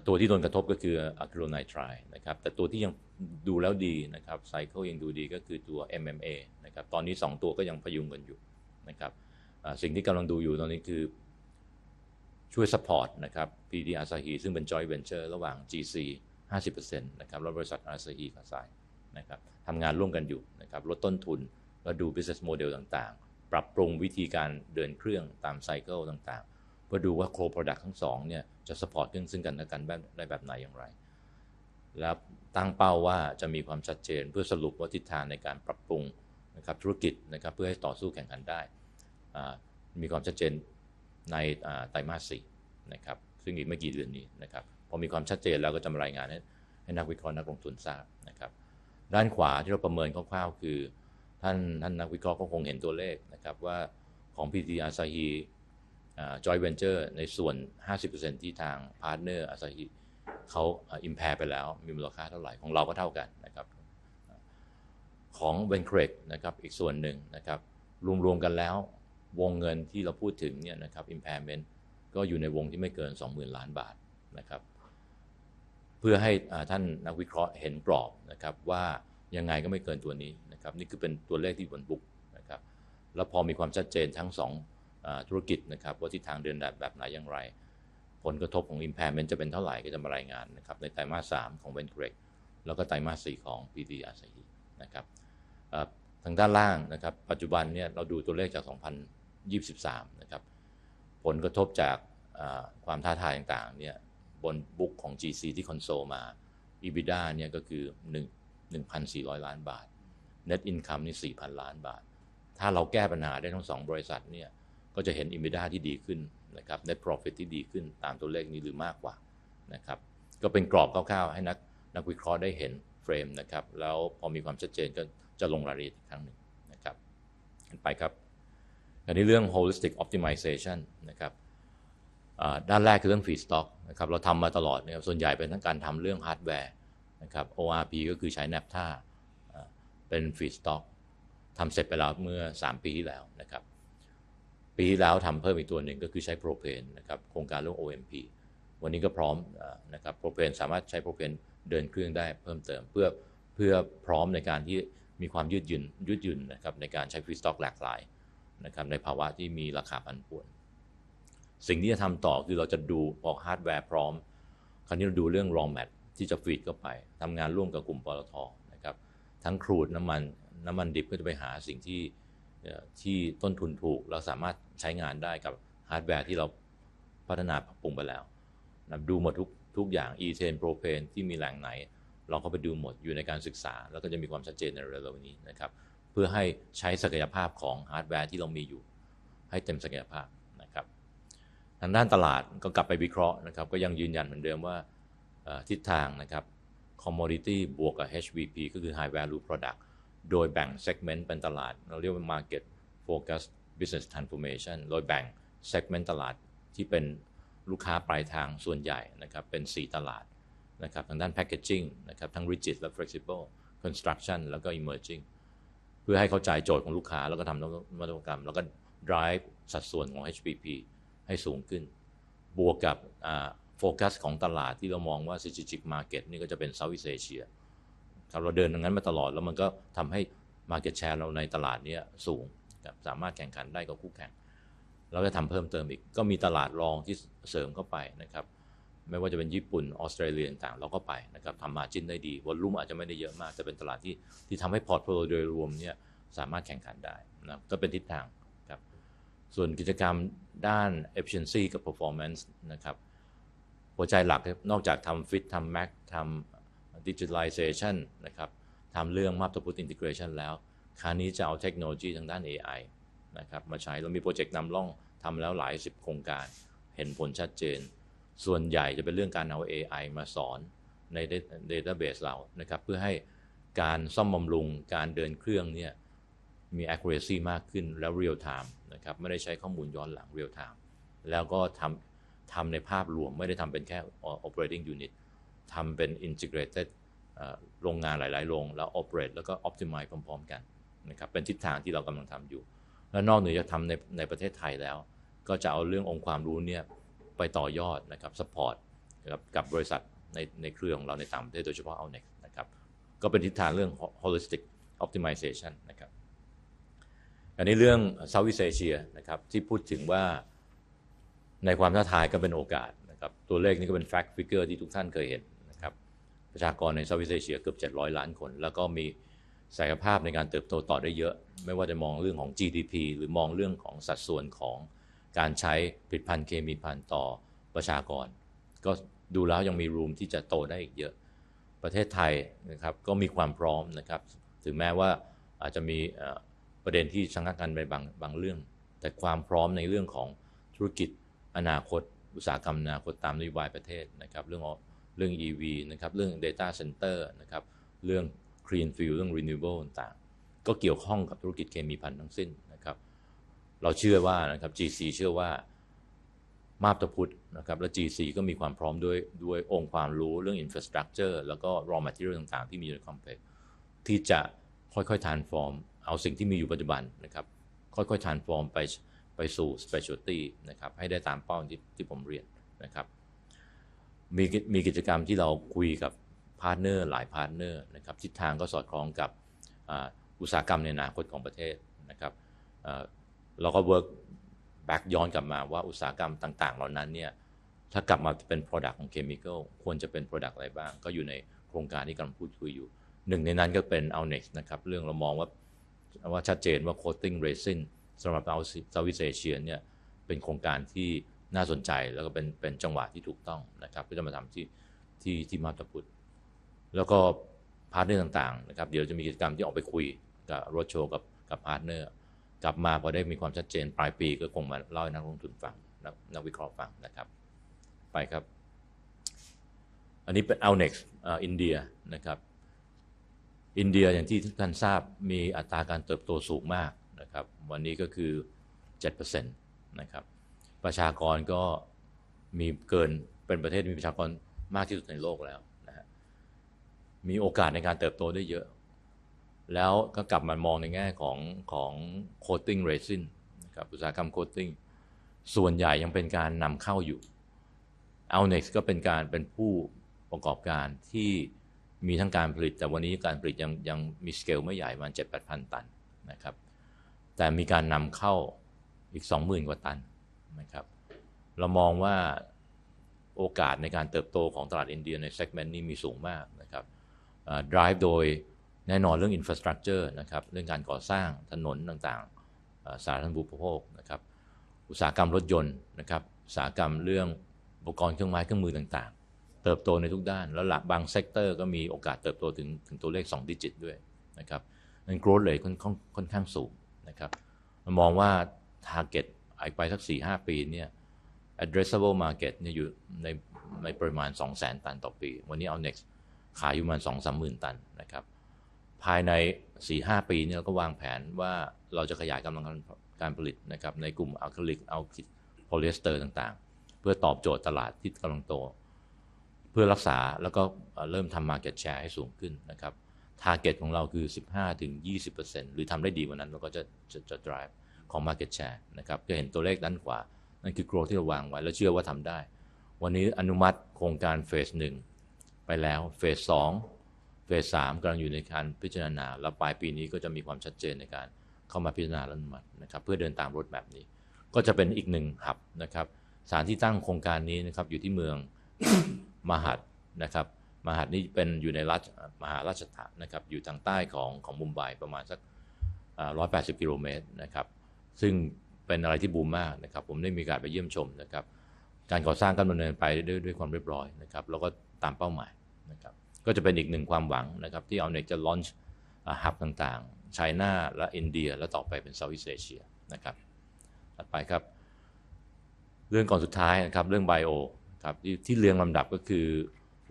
ตัวที่โดนกระทบก็คือ Acrylonitrile นะครับแต่ตัวที่ยังดูแล้วดีนะครับ Cycle ยังดูดีก็คือตัว MMA นะครับตอนนี้สองตัวก็ยังพยุงกันอยู่นะครับสิ่งที่กำลังดูอยู่ตอนนี้คือช่วย Support นะครับ PTT Asahi ซึ่งเป็น Joint Venture ระหว่าง GC 50% นะครับและบริษัท Asahi Kazai นะครับทำงานร่วมกันอยู่นะครับลดต้นทุนและดู Business Model ต่างๆปรับปรุงวิธีการเดินเครื่องตาม Cycle ต่างๆเพื่อดูว่า Co Product ทั้งสองเนี่ยจะ Support กันและกันได้แบบไหนอย่างไรและตั้งเป้าว่าจะมีความชัดเจนเพื่อสรุปว่าทิศทางในการปรับปรุงนะครับธุรกิจนะครับเพื่อให้ต่อสู้แข่งขันได้มีความชัดเจนในไตรมาสสี่นะครับซึ่งอีกไม่กี่เดือนนี้นะครับพอมีความชัดเจนแล้วก็จะมารายงานให้ให้นักวิเคราะห์นักลงทุนทราบนะครับด้านขวาที่เราประเมินคร่าวๆคือท่านท่านนักวิเคราะห์ก็คงเห็นตัวเลขนะครับว่าของ PTT Asahi Joint Venture ในส่วน 50% ที่ทาง Partner Asahi เขา Impair ไปแล้วมีมูลค่าเท่าไหร่ของเราก็เท่ากันนะครับของ Vencoec นะครับอีกส่วนหนึ่งนะครับรวมๆกันแล้ววงเงินที่เราพูดถึงเนี่ยนะครับ Impairment ก็อยู่ในวงที่ไม่เกินสองหมื่นล้านบาทนะครับเพื่อให้ท่านนักวิเคราะห์เห็นกรอบนะครับว่ายังไงก็ไม่เกินตัวนี้นะครับนี่คือเป็นตัวเลขที่อยู่บน Book นะครับแล้วพอมีความชัดเันผวนสิ่งที่จะทำต่อคือเราจะดูพอ Hardware พร้อมคราวนี้เราดูเรื่อง Raw Mat ที่จะ Feed เข้าไปทำงานร่วมกับกลุ่มปต ท. นะครับทั้ง Crude น้ำมันน้ำมันดิบเพื่อจะไปหาสิ่งที่เออที่ต้นทุนถูกแล้วสามารถใช้งานได้กับ Hardware ที่เราพัฒนาปรับปรุงไปแล้วนะครับดูหมดทุกทุกอย่าง Ethane Propane ที่มีแหล่งไหนเราก็ไปดูหมดอยู่ในการศึกษาแล้วก็จะมีความชัดเจนในเร็วๆนี้นะครับเพื่อให้ใช้ศักยภาพของ Hardware ที่เรามีอยู่ให้เต็มศักยภาพนะครับทางด้านตลาดก็กลับไปวิเคราะห์นะครับก็ยังยืนยันเหมือนเดิมว่าเออทิศทางนะครับ Commodity บวกกับ HVP ก็คือ High Value Product โดยแบ่ง Segment เป็นตลาดเราเรียกว่า Market Focus Business Transformation โดยแบ่ง Segment ตลาดที่เป็นลูกค้าปลายทางส่วนใหญ่นะครับเป็นสี่ตลาดนะครับทางด้าน Packaging นะครับทั้ง Rigid และ Flexible, Construction แล้วก็ Emerging เพื่อให้เข้าใจโจทย์ของลูกค้าแล้วก็ทำนวัตกรรมแล้วก็ Drive สัดส่วนของ HVP ให้สูงขึ้นบวกกับอ่า Focus ของตลาดที่เรามองว่า Strategic Market นี่ก็จะเป็น Southeast Asia ครับเราเดินตรงนั้นมาตลอดแล้วมันก็ทำให้ Market Share เราในตลาดนี้สูงนะครับสามารถแข่งขันได้กับคู่แข่งเราจะทำเพิ่มเติมอีกก็มีตลาดรองที่เสริมเข้าไปนะครับไม่ว่าจะเป็นญี่ปุ่นออสเตรเลียต่างๆเราก็ไปนะครับทำ Margin ได้ดี Volume อาจจะไม่ได้เยอะมากแต่เป็นตลาดที่ที่ทำให้ Portfolio โดยรวมเนี่ยสามารถแข่งขันได้นะก็เป็นทิศทางครับส่วนกิจกรรมด้าน Efficiency กับ Performance นะครับหัวใจหลักนอกจากทำ Fit ทำ Max ทำ Digitalization นะครับทำเรื่อง Map to Put Integration แล้วคราวนี้จะเอาเทคโนโลยีทางด้าน AI นะครับมาใช้เรามี Project นำร่องทำแล้วหลายสิบโครงการเห็นผลชัดเจนส่วนใหญ่จะเป็นเรื่องการเอา AI มาสอนใน Database เรานะครับเพื่อให้การซ่อมบำรุงการเดินเครื่องเนี่ยมี Accuracy มากขึ้นแล้ว Real Time นะครับไม่ได้ใช้ข้อมูลย้อนหลัง Real Time แล้วก็ทำทำในภาพรวมไม่ได้ทำเป็นแค่ Operating Unit ทำเป็น Integrated เออโรงงานหลายๆโรงแล้ว Operate แล้วก็ Optimize พร้อมๆกันนะครับเป็นทิศทางที่เรากำลังทำอยู่และนอกเหนือจากทำในในประเทศไทยแล้วก็จะเอาเรื่ององค์ความรู้เนี่ยไปต่อยอดนะครับ Support กับบริษัทในในเครือของเราในต่างประเทศโดยเฉพาะ Alnex นะครับก็เป็นทิศทางเรื่อง Holistic Optimization นะครับอันนี้เรื่อง Southeast Asia นะครับที่พูดถึงว่าในความท้าทายก็เป็นโอกาสนะครับตัวเลขนี้ก็เป็น Fact Figure ที่ทุกท่านเคยเห็นนะครับประชากรใน Southeast Asia เกือบเจ็ดร้อยล้านคนแล้วก็มีศักยภาพในการเติบโตต่อได้เยอะไม่ว่าจะมองเรื่องของ GDP หรือมองเรื่องของสัดส่วนของการใช้ผลิตภัณฑ์เคมีภัณฑ์ต่อประชากรก็ดูแล้วยังมี Room ที่จะโตได้อีกเยอะประเทศไทยนะครับก็มีความพร้อมนะครับถึงแม้ว่าอาจจะมีเออประเด็นที่ชะงักกันไปบางบางเรื่องแต่ความพร้อมในเรื่องของธุรกิจอนาคตอุตสาหกรรมอนาคตตามนโยบายประเทศนะครับเรื่องของเรื่อง EV นะครับเรื่อง Data Center นะครับเรื่อง Clean Fuel เรื่อง Renewable ต่างๆก็เกี่ยวข้องกับธุรกิจเคมีภัณฑ์ทั้งสิ้นนะครับเราเชื่อว่านะครับ GC เชื่อว่ามาบตาพุดนะครับและ GC ก็มีความพร้อมด้วยด้วยองค์ความรู้เรื่อง Infrastructure แล้วก็ Raw Material ต่างๆที่มีอยู่ใน Complex ที่จะค่อยๆ Transform เอาสิ่งที่มีอยู่ปัจจุบันนะครับค่อยๆ Transform ไปไปสู่ Specialty นะครับให้ได้ตามเป้าที่ที่ผมเรียนนะครับมีมีกิจกรรมที่เราคุยกับ Partner หลาย Partner นะครับทิศทางก็สอดคล้องกับอุตสาหกรรมในอนาคตของประเทศนะครับเออเราก็ Work Back ย้อนกลับมาว่าอุตสาหกรรมต่างๆเหล่านั้นเนี่ยถ้ากลับมาเป็น Product ของ Chemical ควรจะเป็น Product อะไรบ้างก็อยู่ในโครงการที่กำลังพูดคุยอยู่หนึ่งในนั้นก็เป็น Alnex นะครับเรื่องเรามองว่าว่าชัดเจนว่า Coating Resins สำหรับ Southeast Asia เนี่ยเป็นโครงการที่น่าสนใจแล้วก็เป็นเป็นจังหวะที่ถูกต้องนะครับก็จะมาทำที่ที่ที่มาบตาพุดแล้วก็ Partner ต่างๆนะครับเดี๋ยวจะมีกิจกรรมที่ออกไปคุย Road Show กับกับ Partner กลับมาพอได้มีความชัดเจนปลายปีก็คงมาเล่าให้นักลงทุนฟังนักนักวิเคราะห์ฟังนะครับไปครับอันนี้เป็น Alnex อินเดียนะครับอินเดียอย่างที่ทุกท่านทราบมีอัตราการเติบโตสูงมากนะครับวันนี้ก็คือเจ็ดเปอร์เซ็นต์นะครับประชากรก็มีเกินเป็นประเทศที่มีประชากรมากที่สุดในโลกแล้วนะฮะมีโอกาสในการเติบโตได้เยอะแล้วก็กลับมามองในแง่ของของ Coating Resins นะครับอุตสาหกรรม Coating ส่วนใหญ่ยังเป็นการนำเข้าอยู่ Alnex ก็เป็นการเป็นผู้ประกอบการที่มีทั้งการผลิตแต่วันนี้การผลิตยังยังมีสเกลไม่ใหญ่ประมาณเจ็ดแปดพันตันนะครับแต่มีการนำเข้าอีกสองหมื่นกว่าตันนะครับเรามองว่าโอกาสในการเติบโตของตลาดอินเดียใน Segment นี้มีสูงมากนะครับเออ Drive โดยแน่นอนเรื่อง Infrastructure นะครับเรื่องการก่อสร้างถนนต่างๆสาธารณูปโภคนะครับอุตสาหกรรมรถยนต์นะครับอุตสาหกรรมเรื่องอุปกรณ์เครื่องไม้เครื่องมือต่างๆเติบโตในทุกด้านแล้วบาง Sector ก็มีโอกาสเติบโตถึงถึงตัวเลขสอง Digit ด้วยนะครับงั้น Growth Rate ค่อนข้างค่อนข้างสูงนะครับเรามองว่า Target อีกไปสักสี่ห้าปีเนี่ ย... Addressable Market นี้อยู่ในปริมาณสองแสนตันต่อปีวันนี้ Allnex ขายอยู่ประมาณสองสามหมื่นตันนะครับภายในสี่ห้าปีนี้เราก็วางแผนว่าเราจะขยายกำลังการผลิตนะครับในกลุ่ม Acrylic Alkyd Polyester ต่างๆเพื่อตอบโจทย์ตลาดที่กำลังโตเพื่อรักษาแล้วก็เริ่มทำ Market Share ให้สูงขึ้นนะครับ Target ของเราคือสิบห้าถึงยี่สิบเปอร์เซ็นต์หรือทำได้ดีกว่านั้นเราก็จะ Drive Market Share นะครับก็เห็นตัวเลขด้านขวานั่นคือ Growth ที่เราวางไว้และเชื่อว่าทำได้วันนี้อนุมัติโครงการ Phase หนึ่งไปแล้ว Phase สอง Phase สามกำลังอยู่ในการพิจารณาแล้วปลายปีนี้ก็จะมีความชัดเจนในการเข้ามาพิจารณาอนุมัตินะครับเพื่อเดินตาม Roadmap นี้ก็จะเป็นอีกหนึ่ง Hub นะครับสถานที่ตั้งโครงการนี้นะครับอยู่ที่เมืองมหัทนะครับมหัทนี้เป็นอยู่ในรัฐมหาราษฏระนะครับอยู่ทางใต้ของมุมไบประมาณสักร้อยแปดสิบกิโลเมตรนะครับซึ่งเป็นอะไรที่บูมมากนะครับผมได้มีโอกาสไปเยี่ยมชมนะครับการก่อสร้างก็ดำเนินไปด้วยความเรียบร้อยนะครับแล้วก็ตามเป้าหมายนะครับก็จะเป็นอีกหนึ่งความหวังนะครับที่ Allnex จะ Launch Hub ต่างๆ China และ India และต่อไปเป็น Southeast Asia นะครับถัดไปครับเรื่องก่อนสุดท้ายนะครับเรื่อง Bio ครับที่เรียงลำดับก็คือ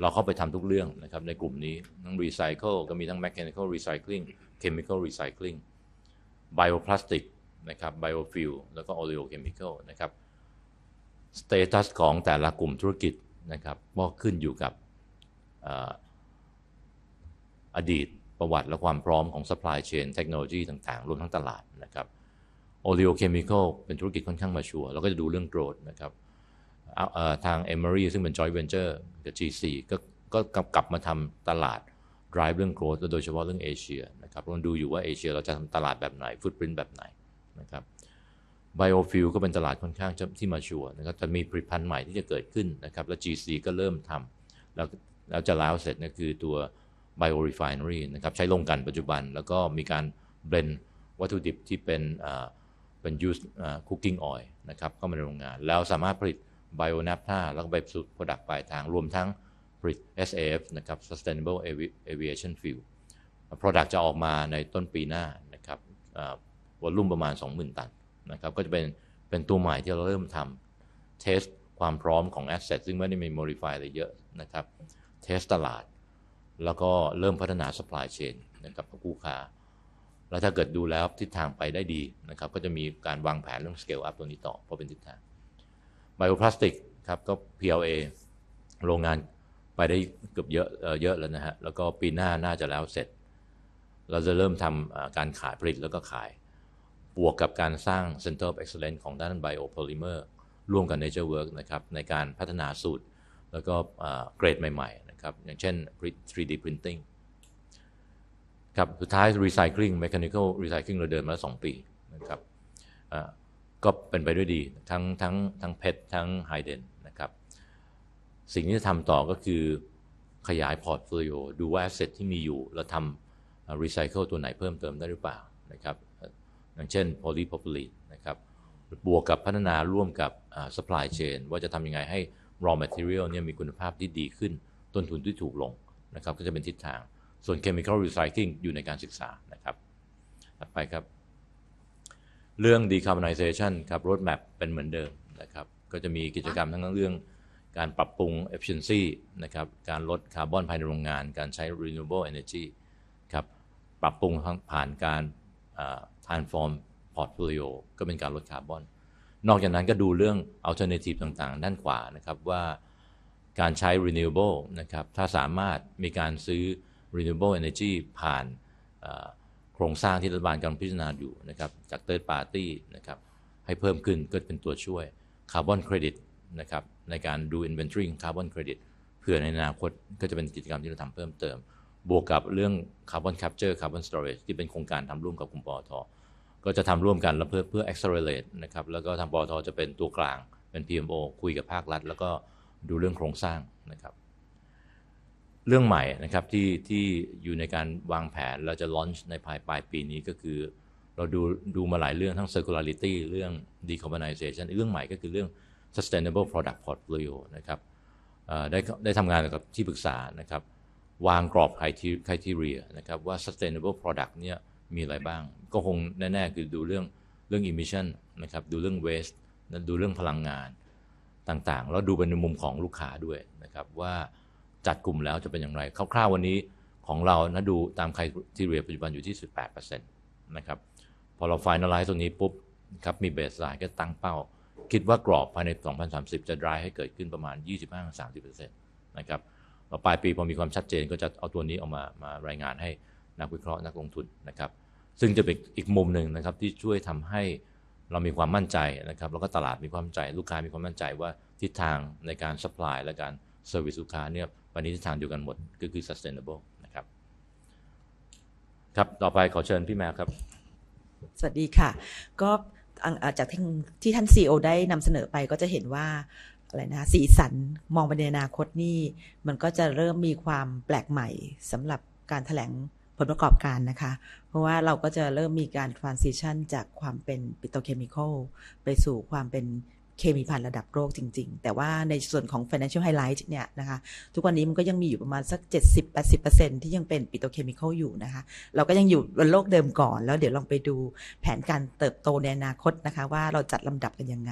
เราเข้าไปทำทุกเรื่องนะครับในกลุ่มนี้ทั้ง Recycle ก็มีทั้ง Mechanical Recycling, Chemical Recycling, Bioplastic นะครับ Biofuel แล้วก็ Oleochemical นะครับสเตตัสของแต่ละกลุ่มธุรกิจนะครับก็ขึ้นอยู่กับอดีตประวัติและความพร้อมของ Supply Chain เทคโนโลยีต่างๆรวมทั้งตลาดนะครับ Oleochemical เป็นธุรกิจค่อนข้าง Mature เราก็จะดูเรื่อง Growth นะครับทาง Emery ซึ่งเป็น Joint Venture กับ GC ก็กลับมาทำตลาด Drive เรื่อง Growth และโดยเฉพาะเรื่องเอเชียนะครับเราดูอยู่ว่าเอเชียเราจะทำตลาดแบบไหน Footprint แบบไหนนะครับ Biofuel ก็เป็นตลาดค่อนข้างจะที่ Mature นะครับแต่มีผลิตภัณฑ์ใหม่ที่จะเกิดขึ้นนะครับและ GC ก็เริ่มทำแล้วแล้วจะเสร็จก็คือตัว Biorefinery นะครับใช้โรงกลั่นปัจจุบันแล้วก็มีการ Blend วัตถุดิบที่เป็น Used Cooking Oil นะครับเข้ามาในโรงงานแล้วสามารถผลิต Bionaphtha แล้วก็ไปสู่ Product ปลายทางรวมทั้งผลิต SAF นะครับ Sustainable Aviation Fuel Product จะออกมาในต้นปีหน้านะครับ Volume ประมาณสองหมื่นตันนะครับก็จะเป็นตัวใหม่ที่เราเริ่มทำ Test ความพร้อมของ Asset ซึ่งไม่ได้มี Modify อะไรเยอะนะครับ Test ตลาดแล้วก็เริ่มพัฒนา Supply Chain นะครับกับผู้ค้าและถ้าเกิดดูแล้วทิศทางไปได้ดีนะครับก็จะมีการวางแผนเรื่อง Scale up ตัวนี้ต่อเพราะเป็นทิศทาง Bioplastic ครับก็ PLA โรงงานไปได้เกือบเยอะแล้วนะฮะแล้วก็ปีหน้าน่าจะเสร็จเราจะเริ่มทำการขายผลิตแล้วก็ขายบวกกับการสร้าง Center of Excellence ของด้าน Biopolymer ร่วมกับ Naturework นะครับในการพัฒนาสูตรแล้วก็เกรดใหม่ๆนะครับอย่างเช่น 3D Printing ครับสุดท้าย Recycling Mechanical Recycling เราเดินมาแล้วสองปีนะครับก็เป็นไปด้วยดีทั้ง PET ทั้ง HDPE นะครับสิ่งที่จะทำต่อก็คือขยาย Portfolio ดูว่า Asset ที่มีอยู่เราทำ Recycle ตัวไหนเพิ่มเติมได้หรือเปล่านะครับอย่างเช่น Polypropylene นะครับบวกกับพัฒนาร่วมกับ Supply Chain ว่าจะทำอย่างไรให้ Raw Material เนี่ยมีคุณภาพที่ดีขึ้นต้นทุนที่ถูกลงนะครับก็จะเป็นทิศทางส่วน Chemical Recycling อยู่ในการศึกษานะครับถัดไปครับเรื่อง Decarbonization ครับ Roadmap เป็นเหมือนเดิมนะครับก็จะมีกิจกรรมทั้งเรื่องการปรับปรุง Efficiency นะครับการลดคาร์บอนภายในโรงงานการใช้ Renewable Energy ครับปรับปรุงทั้งผ่านการ Transform Portfolio ก็เป็นการลดคาร์บอนนอกจากนั้นก็ดูเรื่อง Alternative ต่างๆด้านขวานะครับว่าการใช้ Renewable นะครับถ้าสามารถมีการซื้อ Renewable Energy ผ่านโครงสร้างที่รัฐบาลกำลังพิจารณาอยู่นะครับจาก Third Party นะครับให้เพิ่มขึ้นก็เป็นตัวช่วยคาร์บอนเครดิตนะครับในการดู Inventory ของคาร์บอนเครดิตเผื่อในอนาคตก็จะเป็นกิจกรรมที่เราทำเพิ่มเติมบวกกับเรื่อง Carbon Capture Carbon Storage ที่เป็นโครงการทำร่วมกับกลุ่มปต ท. ก็จะทำร่วมกันและเพื่อ Accelerate นะครับแล้วก็ทางปต ท. จะเป็นตัวกลางเป็น PMO คุยกับภาครัฐแล้วก็ดูเรื่องโครงสร้างนะครับเรื่องใหม่นะครับที่ที่อยู่ในการวางแผนแล้วจะ Launch ในภายปลายปีนี้ก็คือเราดูดูมาหลายเรื่องทั้ง Circularity เรื่อง Decarbonization เรื่องใหม่ก็คือเรื่อง Sustainable Product Portfolio นะครับเอ่อได้ได้ทำงานกับที่ปรึกษานะครับวางกรอบ Criteria นะครับว่า Sustainable Product เนี่ยมีอะไรบ้างก็คงแน่ๆคือดูเรื่องเรื่อง Emission นะครับดูเรื่อง Waste ดูเรื่องพลังงานต่างๆแล้วดูไปในมุมของลูกค้าด้วยนะครับว่าจัดกลุ่มแล้วจะเป็นอย่างไรคร่าวๆวันนี้ของเรานะดูตาม Criteria ปัจจุบันอยู่ที่สิบแปดเปอร์เซ็นต์นะครับพอเรา Finalize ตรงนี้ปุ๊บนะครับมี Baseline ก็ตั้งเป้าคิดว่ากรอบภายในปี2030จะ Drive ให้เกิดขึ้นประมาณยี่สิบห้าถึงสามสิบเปอร์เซ็นต์นะครับพอปลายปีพอมีความชัดเจนก็จะเอาตัวนี้ออกมามารายงานให้นักวิเคราะห์นักลงทุนนะครับซึ่งจะเป็นอีกมุมหนึ่งนะครับที่ช่วยทำให้เรามีความมั่นใจนะครับแล้วก็ตลาดมีความมั่นใจลูกค้ามีความมั่นใจว่าทิศทางในการ Supply และการ Service ลูกค้าเนี่ยไปในทิศทางเดียวกันหมดก็คือ Sustainable นะครับครับต่อไปขอเชิญพี่แมวครับสวัสดีค่ะก็อ่างจากที่ที่ท่าน CEO ได้นำเสนอไปก็จะเห็นว่าอะไรนะคะสีสันมองไปในอนาคตนี่มันก็จะเริ่มมีความแปลกใหม่สำหรับการแถลงผลประกอบการนะคะเพราะว่าเราก็จะเริ่มมีการ Transition จากความเป็น Petrochemical ไปสู่ความเป็นเคมีภัณฑ์ระดับโลกจริงๆแต่ว่าในส่วนของ Financial Highlight เนี่ยนะคะทุกวันนี้มันก็ยังมีอยู่ประมาณสักเจ็ดสิบแปดสิบเปอร์เซ็นต์ที่ยังเป็น Petrochemical อยู่นะคะเรายังอยู่บนโลกเดิมก่อนแล้วเดี๋ยวลองไปดูแผนการเติบโตในอนาคตนะคะว่าเราจัดลำดับกันยังไง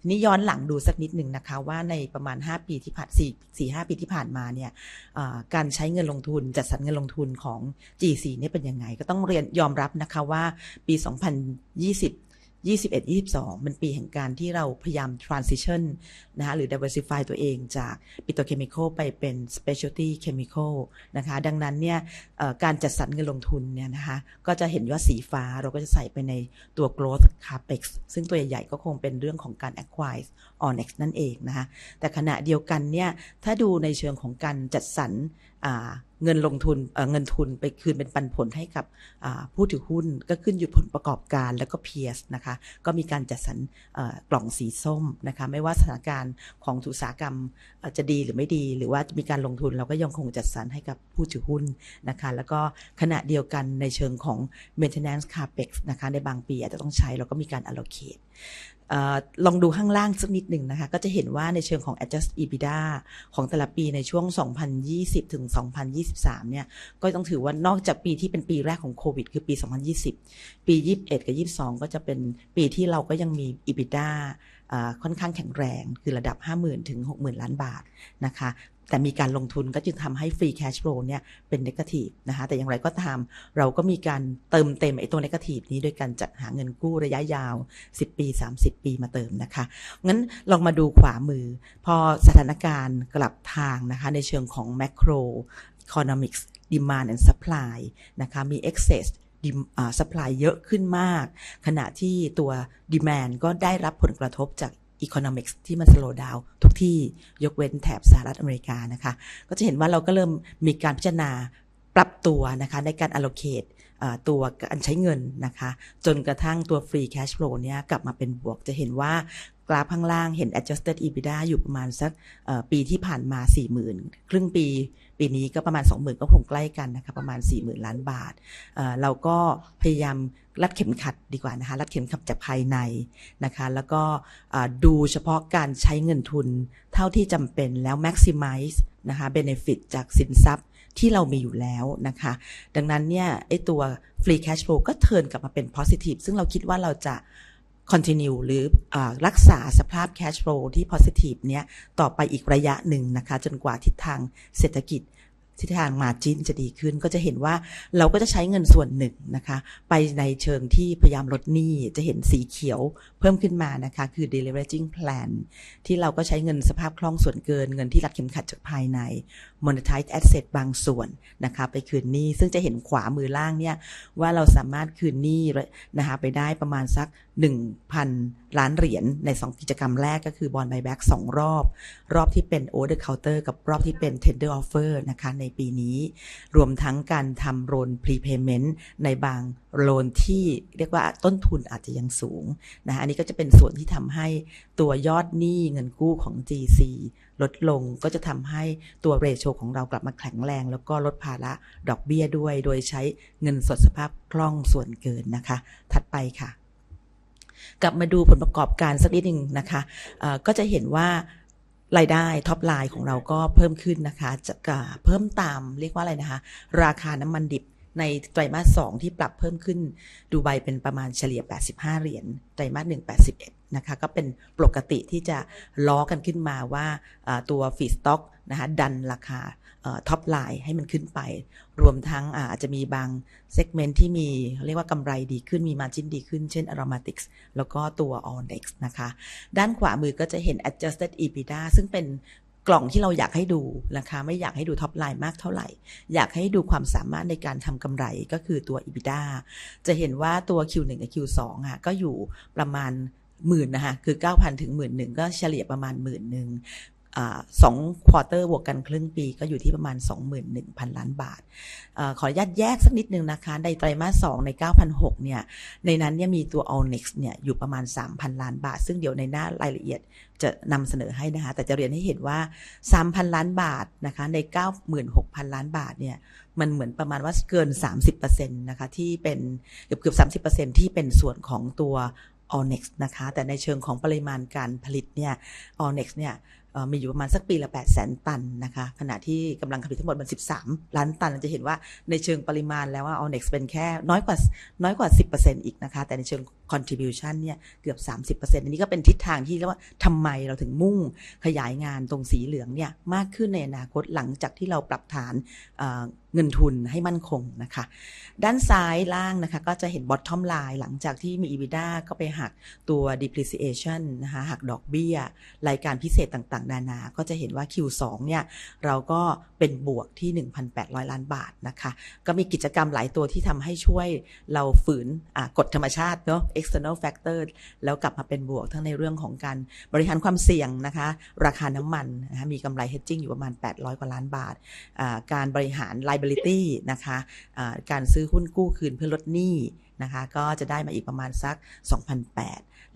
ทีนี้ย้อนหลังดูสักนิดนึงนะคะว่าในประมาณห้าปีที่ผ่านสี่สี่ห้าปีที่ผ่านมาเนี่ยการใช้เงินลงทุนจัดสรรเงินลงทุนของ GC เนี่ยเป็นยังไงก็ต้องเรียนยอมรับนะคะว่าปี2020 2021 2022เป็นปีแห่งการที่เราพยายาม Transition นะคะหรือ Diversify ตัวเองจาก Petrochemical ไปเป็น Specialty Chemical นะคะดังนั้นเนี่ยการจัดสรรเงินลงทุนเนี่ยนะคะก็จะเห็นว่าสีฟ้าเราก็จะใส่ไปในตัว Growth Capex ซึ่งตัวใหญ่ๆก็คงเป็นเรื่องของการ Acquire Onex นั่นเองนะคะแต่ขณะเดียวกันเนี่ยถ้าดูในเชิงของการจัดสรรเงินลงทุนเงินทุนไปคืนเป็นปันผลให้กับผู้ถือหุ้นก็ขึ้นอยู่กับผลประกอบการแล้วก็เพียสนะคะก็มีการจัดสรรกล่องสีส้มนะคะไม่ว่าสถานการณ์ของอุตสาหกรรมจะดีหรือไม่ดีหรือว่าจะมีการลงทุนเราก็ยังคงจัดสรรให้กับผู้ถือหุ้นนะคะแล้วก็ขณะเดียวกันในเชิงของ Maintenance Capex นะคะในบางปีอาจจะต้องใช้เราก็มีการ allocate ลองดูข้างล่างสักนิดนึงนะคะก็จะเห็นว่าในเชิงของ Adjusted EBITDA ของแต่ละปีในช่วง2020ถึง2023เนี่ยก็ต้องถือว่านอกจากปีที่เป็นปีแรกของโควิดคือปี2020ปี2021กับ2022ก็จะเป็นปีที่เราก็ยังมี EBITDA ค่อนข้างแข็งแรงคือระดับห้าหมื่นถึงหกหมื่นล้านบาทนะคะแต่มีการลงทุนก็จึงทำให้ Free Cash Flow เนี่ยเป็น Negative นะคะแต่อย่างไรก็ตามเราก็มีการเติมเต็มไอตัว Negative นี้ด้วยการจัดหาเงินกู้ระยะยาวสิบปีสามสิบปีมาเติมนะคะงั้นลองมาดูขวามือพอสถานการณ์กลับทางนะคะในเชิงของ Macro Economics Demand and Supply นะคะมี Excess Demand Supply เยอะขึ้นมากขณะที่ตัว Demand ก็ได้รับผลกระทบจาก Economics ที่มัน Slow Down ทุกที่ยกเว้นแถบสหรัฐอเมริกานะคะก็จะเห็นว่าเราก็เริ่มมีการพิจารณาปรับตัวนะคะในการ allocate ตัวการใช้เงินนะคะจนกระทั่งตัว Free Cash Flow เนี่ยกลับมาเป็นบวกจะเห็นว่ากราฟข้างล่างเห็น Adjusted EBITDA อยู่ประมาณสักปีที่ผ่านมาสี่หมื่นครึ่งปีปีนี้ก็ประมาณสองหมื่นก็คงใกล้กันนะคะประมาณสี่หมื่นล้านบาทเราก็พยายามรัดเข็มขัดดีกว่านะคะรัดเข็มขัดจากภายในนะคะแล้วก็ดูเฉพาะการใช้เงินทุนเท่าที่จำเป็นแล้ว Maximize นะคะ Benefit จากสินทรัพย์ที่เรามีอยู่แล้วนะคะดังนั้นเนี่ยไอตัว Free Cash Flow ก็เทิร์นกลับมาเป็น Positive ซึ่งเราคิดว่าเราจะ Continue หรือรักษาสภาพ Cash Flow ที่ Positive เนี่ยต่อไปอีกระยะหนึ่งนะคะจนกว่าทิศทางเศรษฐกิจทิศทางมาร์จิ้นจะดีขึ้นก็จะเห็นว่าเราก็จะใช้เงินส่วนหนึ่งนะคะไปในเชิงที่พยายามลดหนี้จะเห็นสีเขียวเพิ่มขึ้นมานะคะคือ Deleveraging Plan ที่เราก็ใช้เงินสภาพคล่องส่วนเกินเงินที่รัดเข็มขัดจากภายใน Monetize Asset บางส่วนนะคะไปคืนหนี้ซึ่งจะเห็นขวามือล่างเนี่ยว่าเราสามารถคืนหนี้นะคะไปได้ประมาณสักหนึ่งพันล้านเหรียญในสองกิจกรรมแรกก็คือ Bond Buyback สองรอบรอบที่เป็น Over the Counter กับรอบที่เป็น Tender Offer นะคะในปีนี้รวมทั้งการทำ Loan Prepayment ในบาง Loan ที่เรียกว่าต้นทุนอาจจะยังสูงนะคะอันนี้ก็จะเป็นส่วนที่ทำให้ตัวยอดหนี้เงินกู้ของ GC ลดลงก็จะทำให้ตัว Ratio ของเรากลับมาแข็งแรงแล้วก็ลดภาระดอกเบี้ยด้วยโดยใช้เงินสดสภาพคล่องส่วนเกินนะคะถัดไปค่ะกลับมาดูผลประกอบการสักนิดนึงนะคะก็จะเห็นว่ารายได้ Top Line ของเราก็เพิ่มขึ้นนะคะจะเพิ่มตามเรียกว่าอะไรนะคะราคาน้ำมันดิบในไตรมาสสองที่ปรับเพิ่มขึ้นดูไบเป็นประมาณเฉลี่ยแปดสิบห้าเหรียญไตรมาสหนึ่งแปดสิบเอ็ดนะคะก็เป็นปกติที่จะล้อกันขึ้นมาว่าตัว Feedstock นะคะดันราคา Top Line ให้มันขึ้นไปรวมทั้งอาจจะมีบาง Segment ที่มีเรียกว่ากำไรดีขึ้นมีมาร์จิ้นดีขึ้นเช่น Aromatic แล้วก็ตัว Onex นะคะด้านขวามือก็จะเห็น Adjusted EBITDA ซึ่งเป็นกล่องที่เราอยากให้ดูนะคะไม่อยากให้ดู Top Line มากเท่าไหร่อยากให้ดูความสามารถในการทำกำไรก็คือตัว EBITDA จะเห็นว่าตัว Q1 และ Q2 ก็อยู่ประมาณหมื่นนะฮะคือเก้าพันถึงหมื่นนึงก็เฉลี่ยประมาณหมื่นนึงสอง Quarter บวกกันครึ่งปีก็อยู่ที่ประมาณสองหมื่นหนึ่งพันล้านบาทขออนุญาตแยกสักนิดนึงนะคะในไตรมาสสองในเก้าพันหกเนี่ยในนั้นเนี่ยมีตัว Onex เนี่ยอยู่ประมาณสามพันล้านบาทซึ่งเดี๋ยวในหน้ารายละเอียดจะนำเสนอให้นะคะแต่จะเรียนให้เห็นว่าสามพันล้านบาทนะคะในเก้าหมื่นหกพันล้านบาทเนี่ยมันเหมือนประมาณว่าเกินสามสิบเปอร์เซ็นต์นะคะที่เป็นเกือบเกือบสามสิบเปอร์เซ็นต์ที่เป็นส่วนของตัว Onex นะคะแต่ในเชิงของปริมาณการผลิตเนี่ย Onex เนี่ยมีอยู่ประมาณสักปีละแปดแสนตันนะคะขณะที่กำลังการผลิตทั้งหมดมันสิบสามล้านตันเราจะเห็นว่าในเชิงปริมาณแล้ว Onex เป็นแค่น้อยกว่าน้อยกว่าสิบเปอร์เซ็นต์อีกนะคะแต่ในเชิง Contribution เนี่ยเกือบสามสิบเปอร์เซ็นต์อันนี้ก็เป็นทิศทางที่เรียกว่าทำไมเราถึงมุ่งขยายงานตรงสีเหลืองเนี่ยมากขึ้นในอนาคตหลังจากที่เราปรับฐานเงินทุนให้มั่นคงนะคะด้านซ้ายล่างนะคะก็จะเห็น Bottom Line หลังจากที่มี EBITDA ก็ไปหักตัว Depreciation นะคะหักดอกเบี้ยรายการพิเศษต่างๆนานาก็จะเห็นว่า Q2 เนี่ยเราก็เป็นบวกที่หนึ่งพันแปดร้อยล้านบาทนะคะก็มีกิจกรรมหลายตัวที่ทำให้ช่วยเราฝืนกฎธรรมชาติเนาะ External Factor แล้วกลับมาเป็นบวกทั้งในเรื่องของการบริหารความเสี่ยงนะคะราคาน้ำมันนะคะมีกำไร Hedging อยู่ประมาณแปดร้อยกว่าล้านบาทการบริหาร Liability นะคะการซื้อหุ้นกู้คืนเพื่อลดหนี้นะคะก็จะได้มาอีกประมาณสักสองพันแ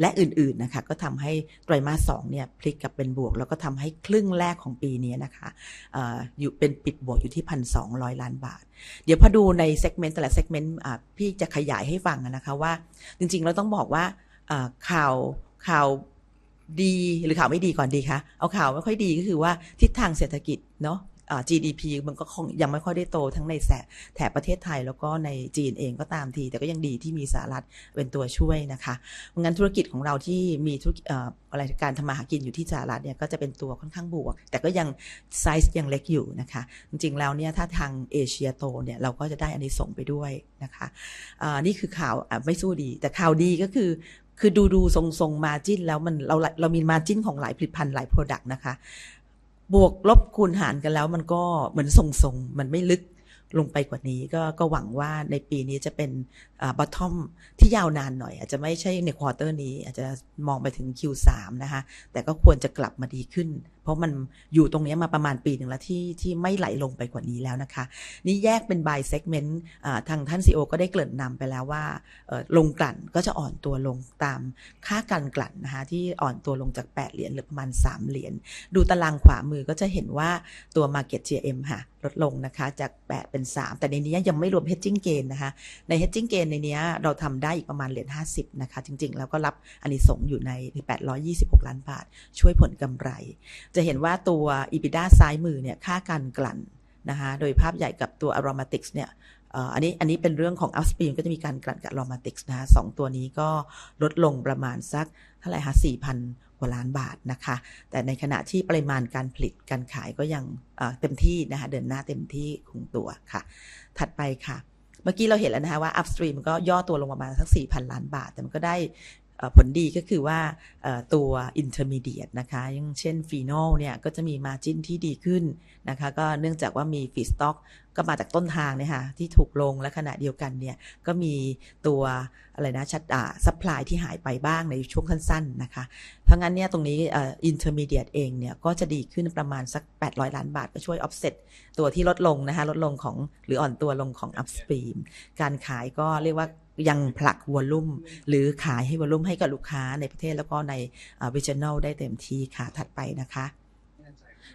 ปดและอื่นๆนะคะก็ทำให้ไตรมาสสองเนี่ยพลิกกลับเป็นบวกแล้วก็ทำให้ครึ่งแรกของปีนี้นะคะอยู่เป็นปิดบวกอยู่ที่พันสองร้อยล้านบาทเดี๋ยวพอดูใน Segment แต่ละ Segment พี่จะขยายให้ฟังนะคะว่าจริงๆแล้วต้องบอกว่าข่าวข่า ว... ดีหรือข่าวไม่ดีก่อนดีคะเอาข่าวไม่ค่อยดีก็คือว่าทิศทางเศรษฐกิจเนาะเอ่อ GDP มันก็คงยังไม่ค่อยได้โตทั้งในแถบแถบประเทศไทยแล้วก็ในจีนเองก็ตามทีแต่ก็ยังดีที่มีสหรัฐเป็นตัวช่วยนะคะเพราะฉะนั้นธุรกิจของเราที่มีธุรกิจเอ่ออะไรการทำมาหากินอยู่ที่สหรัฐเนี่ยก็จะเป็นตัวค่อนข้างบวกแต่ก็ยัง size ยังเล็กอยู่นะคะจริงๆแล้วเนี่ยถ้าทางเอเชียโตเนี่ยเราก็จะได้อานิสงส์ไปด้วยนะคะอ่านี่คือข่าวอ่ะไม่สู้ดีแต่ข่าวดีก็คือคือดูๆทรงๆ Margin แล้วมันเราเรามี Margin ของหลายผลิตภัณฑ์หลาย Product นะคะบวกลบคูณหารกันแล้วมันก็เหมือนทรงๆมันไม่ลึกลงไปกว่านี้ก็ก็หวังว่าในปีนี้จะเป็น Bottom ที่ยาวนานหน่อยอาจจะไม่ใช่ใน Quarter นี้อาจจะมองไปถึง Q3 นะคะแต่ก็ควรจะกลับมาดีขึ้นเพราะมันอยู่ตรงนี้มาประมาณปีนึงแล้วที่ที่ไม่ไหลลงไปกว่านี้แล้วนะคะนี่แยกเป็น by Segment อ่าทางท่าน CEO ก็ได้เกริ่นนำไปแล้วว่าเอ่อโรงกลั่นก็จะอ่อนตัวลงตามค่าการกลั่นนะคะที่อ่อนตัวลงจากแปดเหรียญเหลือประมาณสามเหรียญดูตารางขวามือก็จะเห็นว่าตัว Market GM คะลดลงนะคะจากแปดเป็นสามแต่ในนี้ยังไม่รวม Hedging Gain นะคะใน Hedging Gain ในเนี้ยเราทำได้อีกประมาณเหรียญห้าสิบนะคะจริงๆแล้วก็รับอานิสงส์อยู่ในแปดร้อยยี่สิบหกล้านบาทช่วยผลกำไรจะเห็นว่าตัว EBITDA ซ้ายมือเนี่ยค่าการกลั่นนะคะโดยภาพใหญ่กับตัว Aromatic เนี่ยเอ่ออันนี้อันนี้เป็นเรื่องของ Upstream ก็จะมีการกลั่นกับ Aromatic นะคะสองตัวนี้ก็ลดลงประมาณสักเท่าไหร่คะสี่พันกว่าล้านบาทนะคะแต่ในขณะที่ปริมาณการผลิตการขายก็ยังเต็มที่นะคะเดินหน้าเต็มที่คงตัวคะถัดไปคะเมื่อกี้เราเห็นแล้วนะคะว่า Upstream มันก็ย่อตัวลงประมาณสักสี่พันล้านบาทแต่มันก็ได้เอ่อผลดีก็คือว่าเอ่อตัว Intermediate นะคะอย่างเช่น Phenol เนี่ยก็จะมี Margin ที่ดีขึ้นนะคะก็เนื่องจากว่ามี Feedstock ก็มาจากต้นทางเลยคะที่ถูกลงและขณะเดียวกันเนี่ยก็มีตัวอะไรนะชะอ่า Supply ที่หายไปบ้างในช่วงสั้นๆนะคะเพราะฉะนั้นเนี่ยตรงนี้เอ่อ Intermediate เองเนี่ยก็จะดีขึ้นประมาณสักแปดร้อยล้านบาทก็ช่วย Offset ตัวที่ลดลงนะคะลดลงของหรืออ่อนตัวลงของ Upstream การขายก็เรียกว่ายังผลัก Volume หรือขายให้ Volume ให้กับลูกค้าในประเทศแล้วก็ใน Regional ได้เต็มที่คะถัดไปนะคะ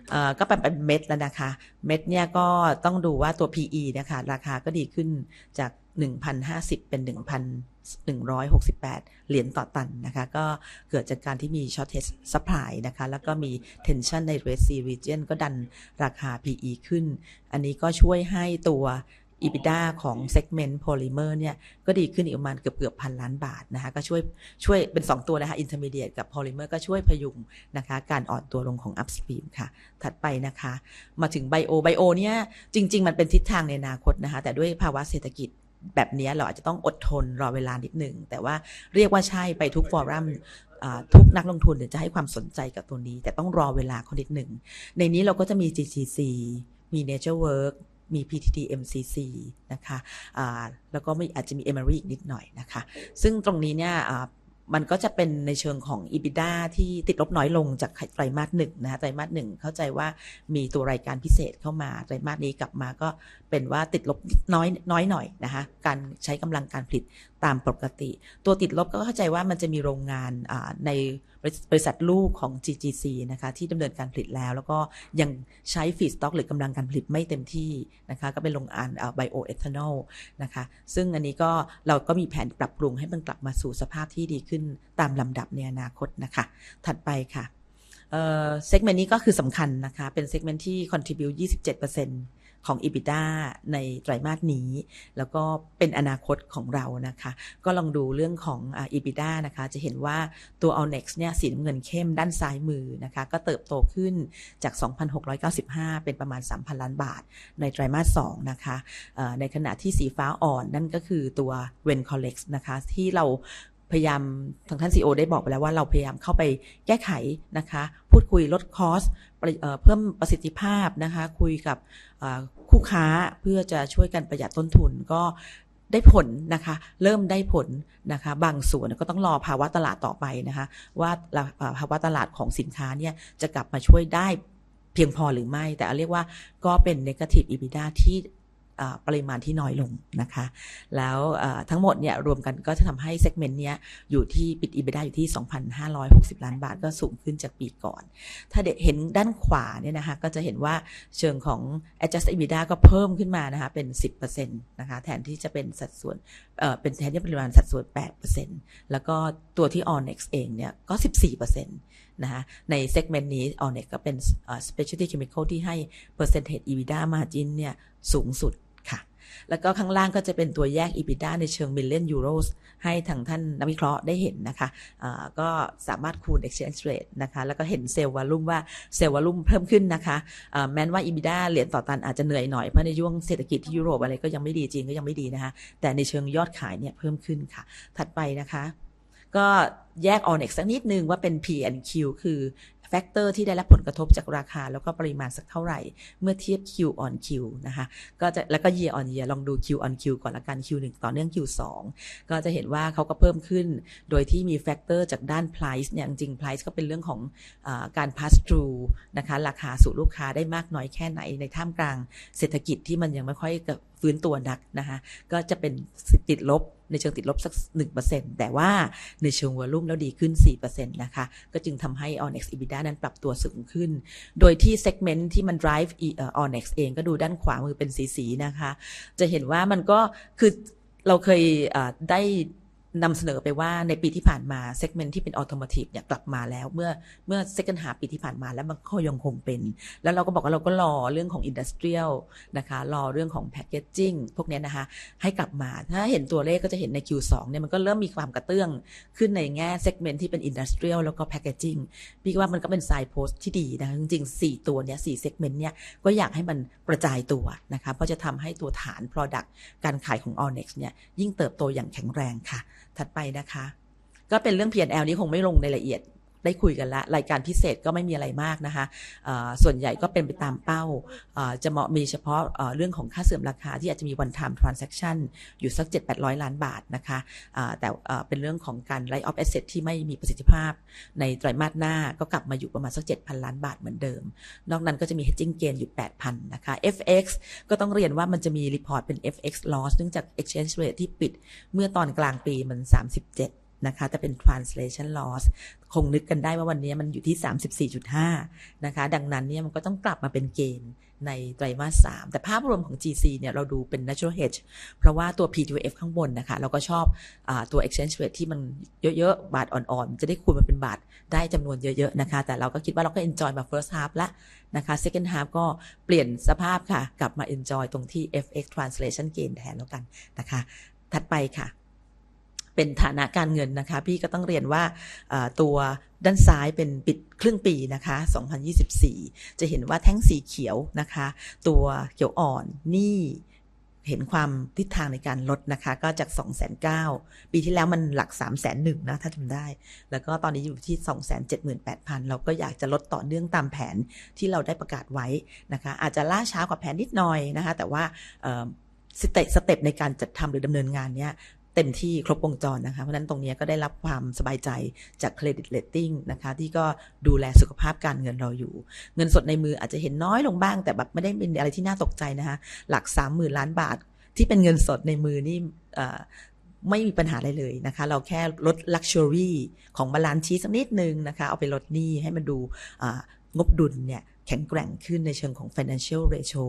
เอ่อก็ไปเป็นเม็ดแล้วนะคะเม็ดเนี่ยก็ต้องดูว่าตัว PE นะคะราคาก็ดีขึ้นจากหนึ่งพันห้าสิบเป็นหนึ่งพันหนึ่งร้อยหกสิบแปดเหรียญต่อตันนะคะก็เกิดจากการที่มี Shortage Supply นะคะแล้วก็มี Tension ใน Red Sea Region ก็ดันราคา PE ขึ้นอันนี้ก็ช่วยให้ตัว EBITDA ของ Segment Polymer เนี่ยก็ดีขึ้นอีกประมาณเกือบเกือบพันล้านบาทนะคะก็ช่วยช่วยเป็นสองตัวนะคะ Intermediate กับ Polymer ก็ช่วยพยุงนะคะการอ่อนตัวลงของ Upstream คะถัดไปนะคะมาถึง Bio Bio เนี่ยจริงๆมันเป็นทิศทางในอนาคตนะคะแต่ด้วยภาวะเศรษฐกิจแบบนี้เราอาจจะต้องอดทนรอเวลานิดนึงแต่ว่าเรียกว่าใช่ไปทุก Forum อ่าทุกนักลงทุนเนี่ยจะให้ความสนใจกับตัวนี้แต่ต้องรอเวลาเขานิดนึงในนี้เราก็จะมี GCC มี Nature Work มี PTT MCC นะคะอ่าแล้วก็อาจจะมี MINT อีกนิดหน่อยนะคะซึ่งตรงนี้เนี่ยอ่ามันก็จะเป็นในเชิงของ EBITDA ที่ติดลบน้อยลงจากไตรมาสหนึ่งนะคะไตรมาสหนึ่งเข้าใจว่ามีตัวรายการพิเศษเข้ามาไตรมาสนี้กลับมาก็เป็นว่าติดลบน้อยน้อยหน่อยนะคะการใช้กำลังการผลิตตามปกติตัวติดลบก็เข้าใจว่ามันจะมีโรงงานอ่าในบริษัทลูกของ GCC นะคะที่ดำเนินการผลิตแล้วแล้วก็ยังใช้ Feedstock หรือกำลังการผลิตไม่เต็มที่นะคะก็เป็นโรงงาน Bioethanol นะคะซึ่งอันนี้ก็เราก็มีแผนปรับปรุงให้มันกลับมาสู่สภาพที่ดีขึ้นตามลำดับในอนาคตนะคะถัดไปคะเอ่อ Segment นี้ก็คือสำคัญนะคะเป็น Segment ที่ Contribute ยี่สิบเจ็ด%ของ EBITDA ในไตรมาสนี้แล้วก็เป็นอนาคตของเรานะคะก็ลองดูเรื่องของอ่า EBITDA นะคะจะเห็นว่าตัว ONEX เนี่ยสีน้ำเงินเข้มด้านซ้ายมือนะคะก็เติบโตขึ้นจากสองพันหกร้อยเก้าสิบห้าเป็นประมาณสามพันล้านบาทในไตรมาสสองนะคะเอ่อในขณะที่สีฟ้าอ่อนนั่นก็คือตัว Venplex นะคะที่เราพยายามทางท่าน CEO ได้บอกไปแล้วว่าเราพยายามเข้าไปแก้ไขนะคะพูดคุยลด Cost เอ่อเพิ่มประสิทธิภาพนะคะคุยกับเอ่อคู่ค้าเพื่อจะช่วยกันประหยัดต้นทุนก็ได้ผลนะคะเริ่มได้ผลนะคะบางส่วนก็ต้องรอภาวะตลาดต่อไปนะคะว่าเราภาวะตลาดของสินค้าเนี่ยจะกลับมาช่วยได้เพียงพอหรือไม่แต่เรียกว่าก็เป็น Negative EBITDA ที่เอ่อปริมาณที่น้อยลงนะคะแล้วเอ่อทั้งหมดเนี่ยรวมกันก็จะทำให้ Segment เนี้ยอยู่ที่ปิด EBITDA อยู่ที่สองพันห้าร้อยหกสิบล้านบาทก็สูงขึ้นจากปีก่อนถ้าเห็นด้านขวาเนี่ยนะคะก็จะเห็นว่าเชิงของ Adjusted EBITDA ก็เพิ่มขึ้นมานะคะเป็น 10% นะคะแทนที่จะเป็นสัดส่วนเอ่อเป็นแทนที่ปริมาณสัดส่วน 8% แล้วก็ตัวที่ ONEX เองเนี่ยก็ 14% นะคะใน Segment นี้ ONEX ก็เป็น Specialty Chemical ที่ให้ Percentage EBITDA Margin เนี่ยสูงสุดคะแล้วก็ข้างล่างก็จะเป็นตัวแยก EBITDA ในเชิง Million Euros ให้ทางท่านนักวิเคราะห์ได้เห็นนะคะอ่าก็สามารถคูณ Exchange Rate นะคะแล้วก็เห็น Sales Volume ว่า Sales Volume เพิ่มขึ้นนะคะเอ่อแม้นว่า EBITDA เหรียญต่อตันอาจจะเหนื่อยหน่อยเพราะในช่วงเศรษฐกิจที่ยุโรปอะไรก็ยังไม่ดีจีนก็ยังไม่ดีนะคะแต่ในเชิงยอดขายเนี่ยเพิ่มขึ้นคะถัดไปนะคะก็แยก ONEX สักนิดนึงว่าเป็น P and Q คือ Factor ที่ได้รับผลกระทบจากราคาแล้วก็ปริมาณสักเท่าไหร่เมื่อเทียบ Q on Q นะคะก็จะแล้วก็ Year on Year ลองดู Q on Q ก่อนแล้วกัน Q1 ต่อเนื่อง Q2 ก็จะเห็นว่าเขาก็เพิ่มขึ้นโดยที่มี Factor จากด้าน Price เนี่ยจริงๆ Price ก็เป็นเรื่องของเอ่อการ Pass through นะคะราคาสู่ลูกค้าได้มากน้อยแค่ไหนในท่ามกลางเศรษฐกิจที่มันยังไม่ค่อยฟื้นตัวนักนะคะก็จะเป็นติดลบในเชิงติดลบสักหนึ่ง%แต่ว่าในเชิง Volume แล้วดีขึ้น 4% นะคะก็จึงทำให้ ONEX EBITDA นั้นปรับตัวสูงขึ้นโดยที่ Segment ที่มัน Drive ONEX เองก็ดูด้านขวามือเป็นสีนะคะจะเห็นว่ามันก็คือเราเคยได้...นำเสนอไปว่าในปีที่ผ่านมา Segment ที่เป็น Automotive เนี่ยกลับมาแล้วเมื่อ Second Half ปีที่ผ่านมาแล้วมันก็ยังคงเป็นแล้วเราก็บอกว่าเรารอเรื่องของ Industrial นะคะรอเรื่องของ Packaging พวกนี้นะคะให้กลับมาถ้าเห็นตัวเลขก็จะเห็นใน Q2 เนี่ยมันก็เริ่มมีความกระเตื้องขึ้นในแง่ Segment ที่เป็น Industrial แล้วก็ Packaging พี่คิดว่ามันก็เป็น Signpost ที่ดีนะจริงๆสี่ตัวนี้สี่ Segment เนี่ยก็อยากให้มันกระจายตัวนะคะเพราะจะทำให้ตัวฐาน Product การขายของ allnex เนี่ยยิ่งเติบโตอย่างแข็งแรงค่ะถัดไปนะคะก็เป็นเรื่อง PNL อันนี้คงไม่ลงในรายละเอียดได้คุยกันแล้วรายการพิเศษก็ไม่มีอะไรมากนะคะเอ่อส่วนใหญ่ก็เป็นไปตามเป้าเอ่อจะมีเฉพาะเอ่อเรื่องของค่าเสื่อมราคาที่อาจจะมี One Time Transaction อยู่สักเจ็ดแปดร้อยล้านบาทนะคะอ่าแต่เป็นเรื่องของการ Write Off Asset ที่ไม่มีประสิทธิภาพในไตรมาสหน้าก็กลับมาอยู่ประมาณสักเจ็ดพันล้านบาทเหมือนเดิมนอกนั้นก็จะมี Hedging Gain อยู่แปดพันนะคะ FX ก็ต้องเรียนว่ามันจะมี Report เป็น FX Loss เนื่องจาก Exchange Rate ที่ปิดเมื่อตอนกลางปีมันสามสิบเจ็ดนะคะแต่เป็น Translation Loss คงนึกกันได้ว่าวันนี้มันอยู่ที่สามสิบสี่จุดห้านะคะดังนั้นเนี่ยมันก็ต้องกลับมาเป็น Gain ในไตรมาสสามแต่ภาพรวมของ GC เนี่ยเราดูเป็น Natural Hedge เพราะว่าตัว PDUF ข้างบนนะคะเราก็ชอบอ่าตัว Exchange Rate ที่มันเยอะๆบาทอ่อนๆมันจะได้คูณมาเป็นบาทได้จำนวนเยอะๆนะคะแต่เราก็คิดว่าเรา Enjoy มา First Half ละนะคะ Second Half ก็เปลี่ยนสภาพค่ะกลับมา Enjoy ตรงที่ FX Translation Gain แทนแล้วกันนะคะถัดไปค่ะเป็นฐานะการเงินนะคะพี่ก็ต้องเรียนว่าเอ่อตัวด้านซ้ายเป็นปิดครึ่งปีนะคะ2024จะเห็นว่าแท่งสีเขียวนะคะตัวเขียวอ่อนหนี้เห็นความทิศทางในการลดนะคะก็จากสองแสนเก้าปีที่แล้วมันหลักสามแสนหนึ่งนะถ้าจำได้แล้วก็ตอนนี้อยู่ที่สองแสนเจ็ดหมื่นแปดพันเราก็อยากจะลดต่อเนื่องตามแผนที่เราได้ประกาศไว้นะคะอาจจะล่าช้ากว่าแผนนิดหน่อยนะคะแต่ว่าเอ่อสเต็ปในการจัดทำหรือดำเนินงานเนี่ยเต็มที่ครบวงจรนะคะเพราะฉะนั้นตรงนี้ก็ได้รับความสบายใจจาก Credit Rating นะคะที่ก็ดูแลสุขภาพการเงินเราอยู่เงินสดในมืออาจจะเห็นน้อยลงบ้างแต่แบบไม่ได้เป็นอะไรที่น่าตกใจนะคะหลักสามหมื่นล้านบาทที่เป็นเงินสดในมือนี่เอ่อไม่มีปัญหาอะไรเลยนะคะเราแค่ลด Luxury ของ Balance Sheet สักนิดนึงนะคะเอาไปลดหนี้ให้มันดูอ่างบดุลเนี่ยแข็งแกร่งขึ้นในเชิงของ Financial Ratio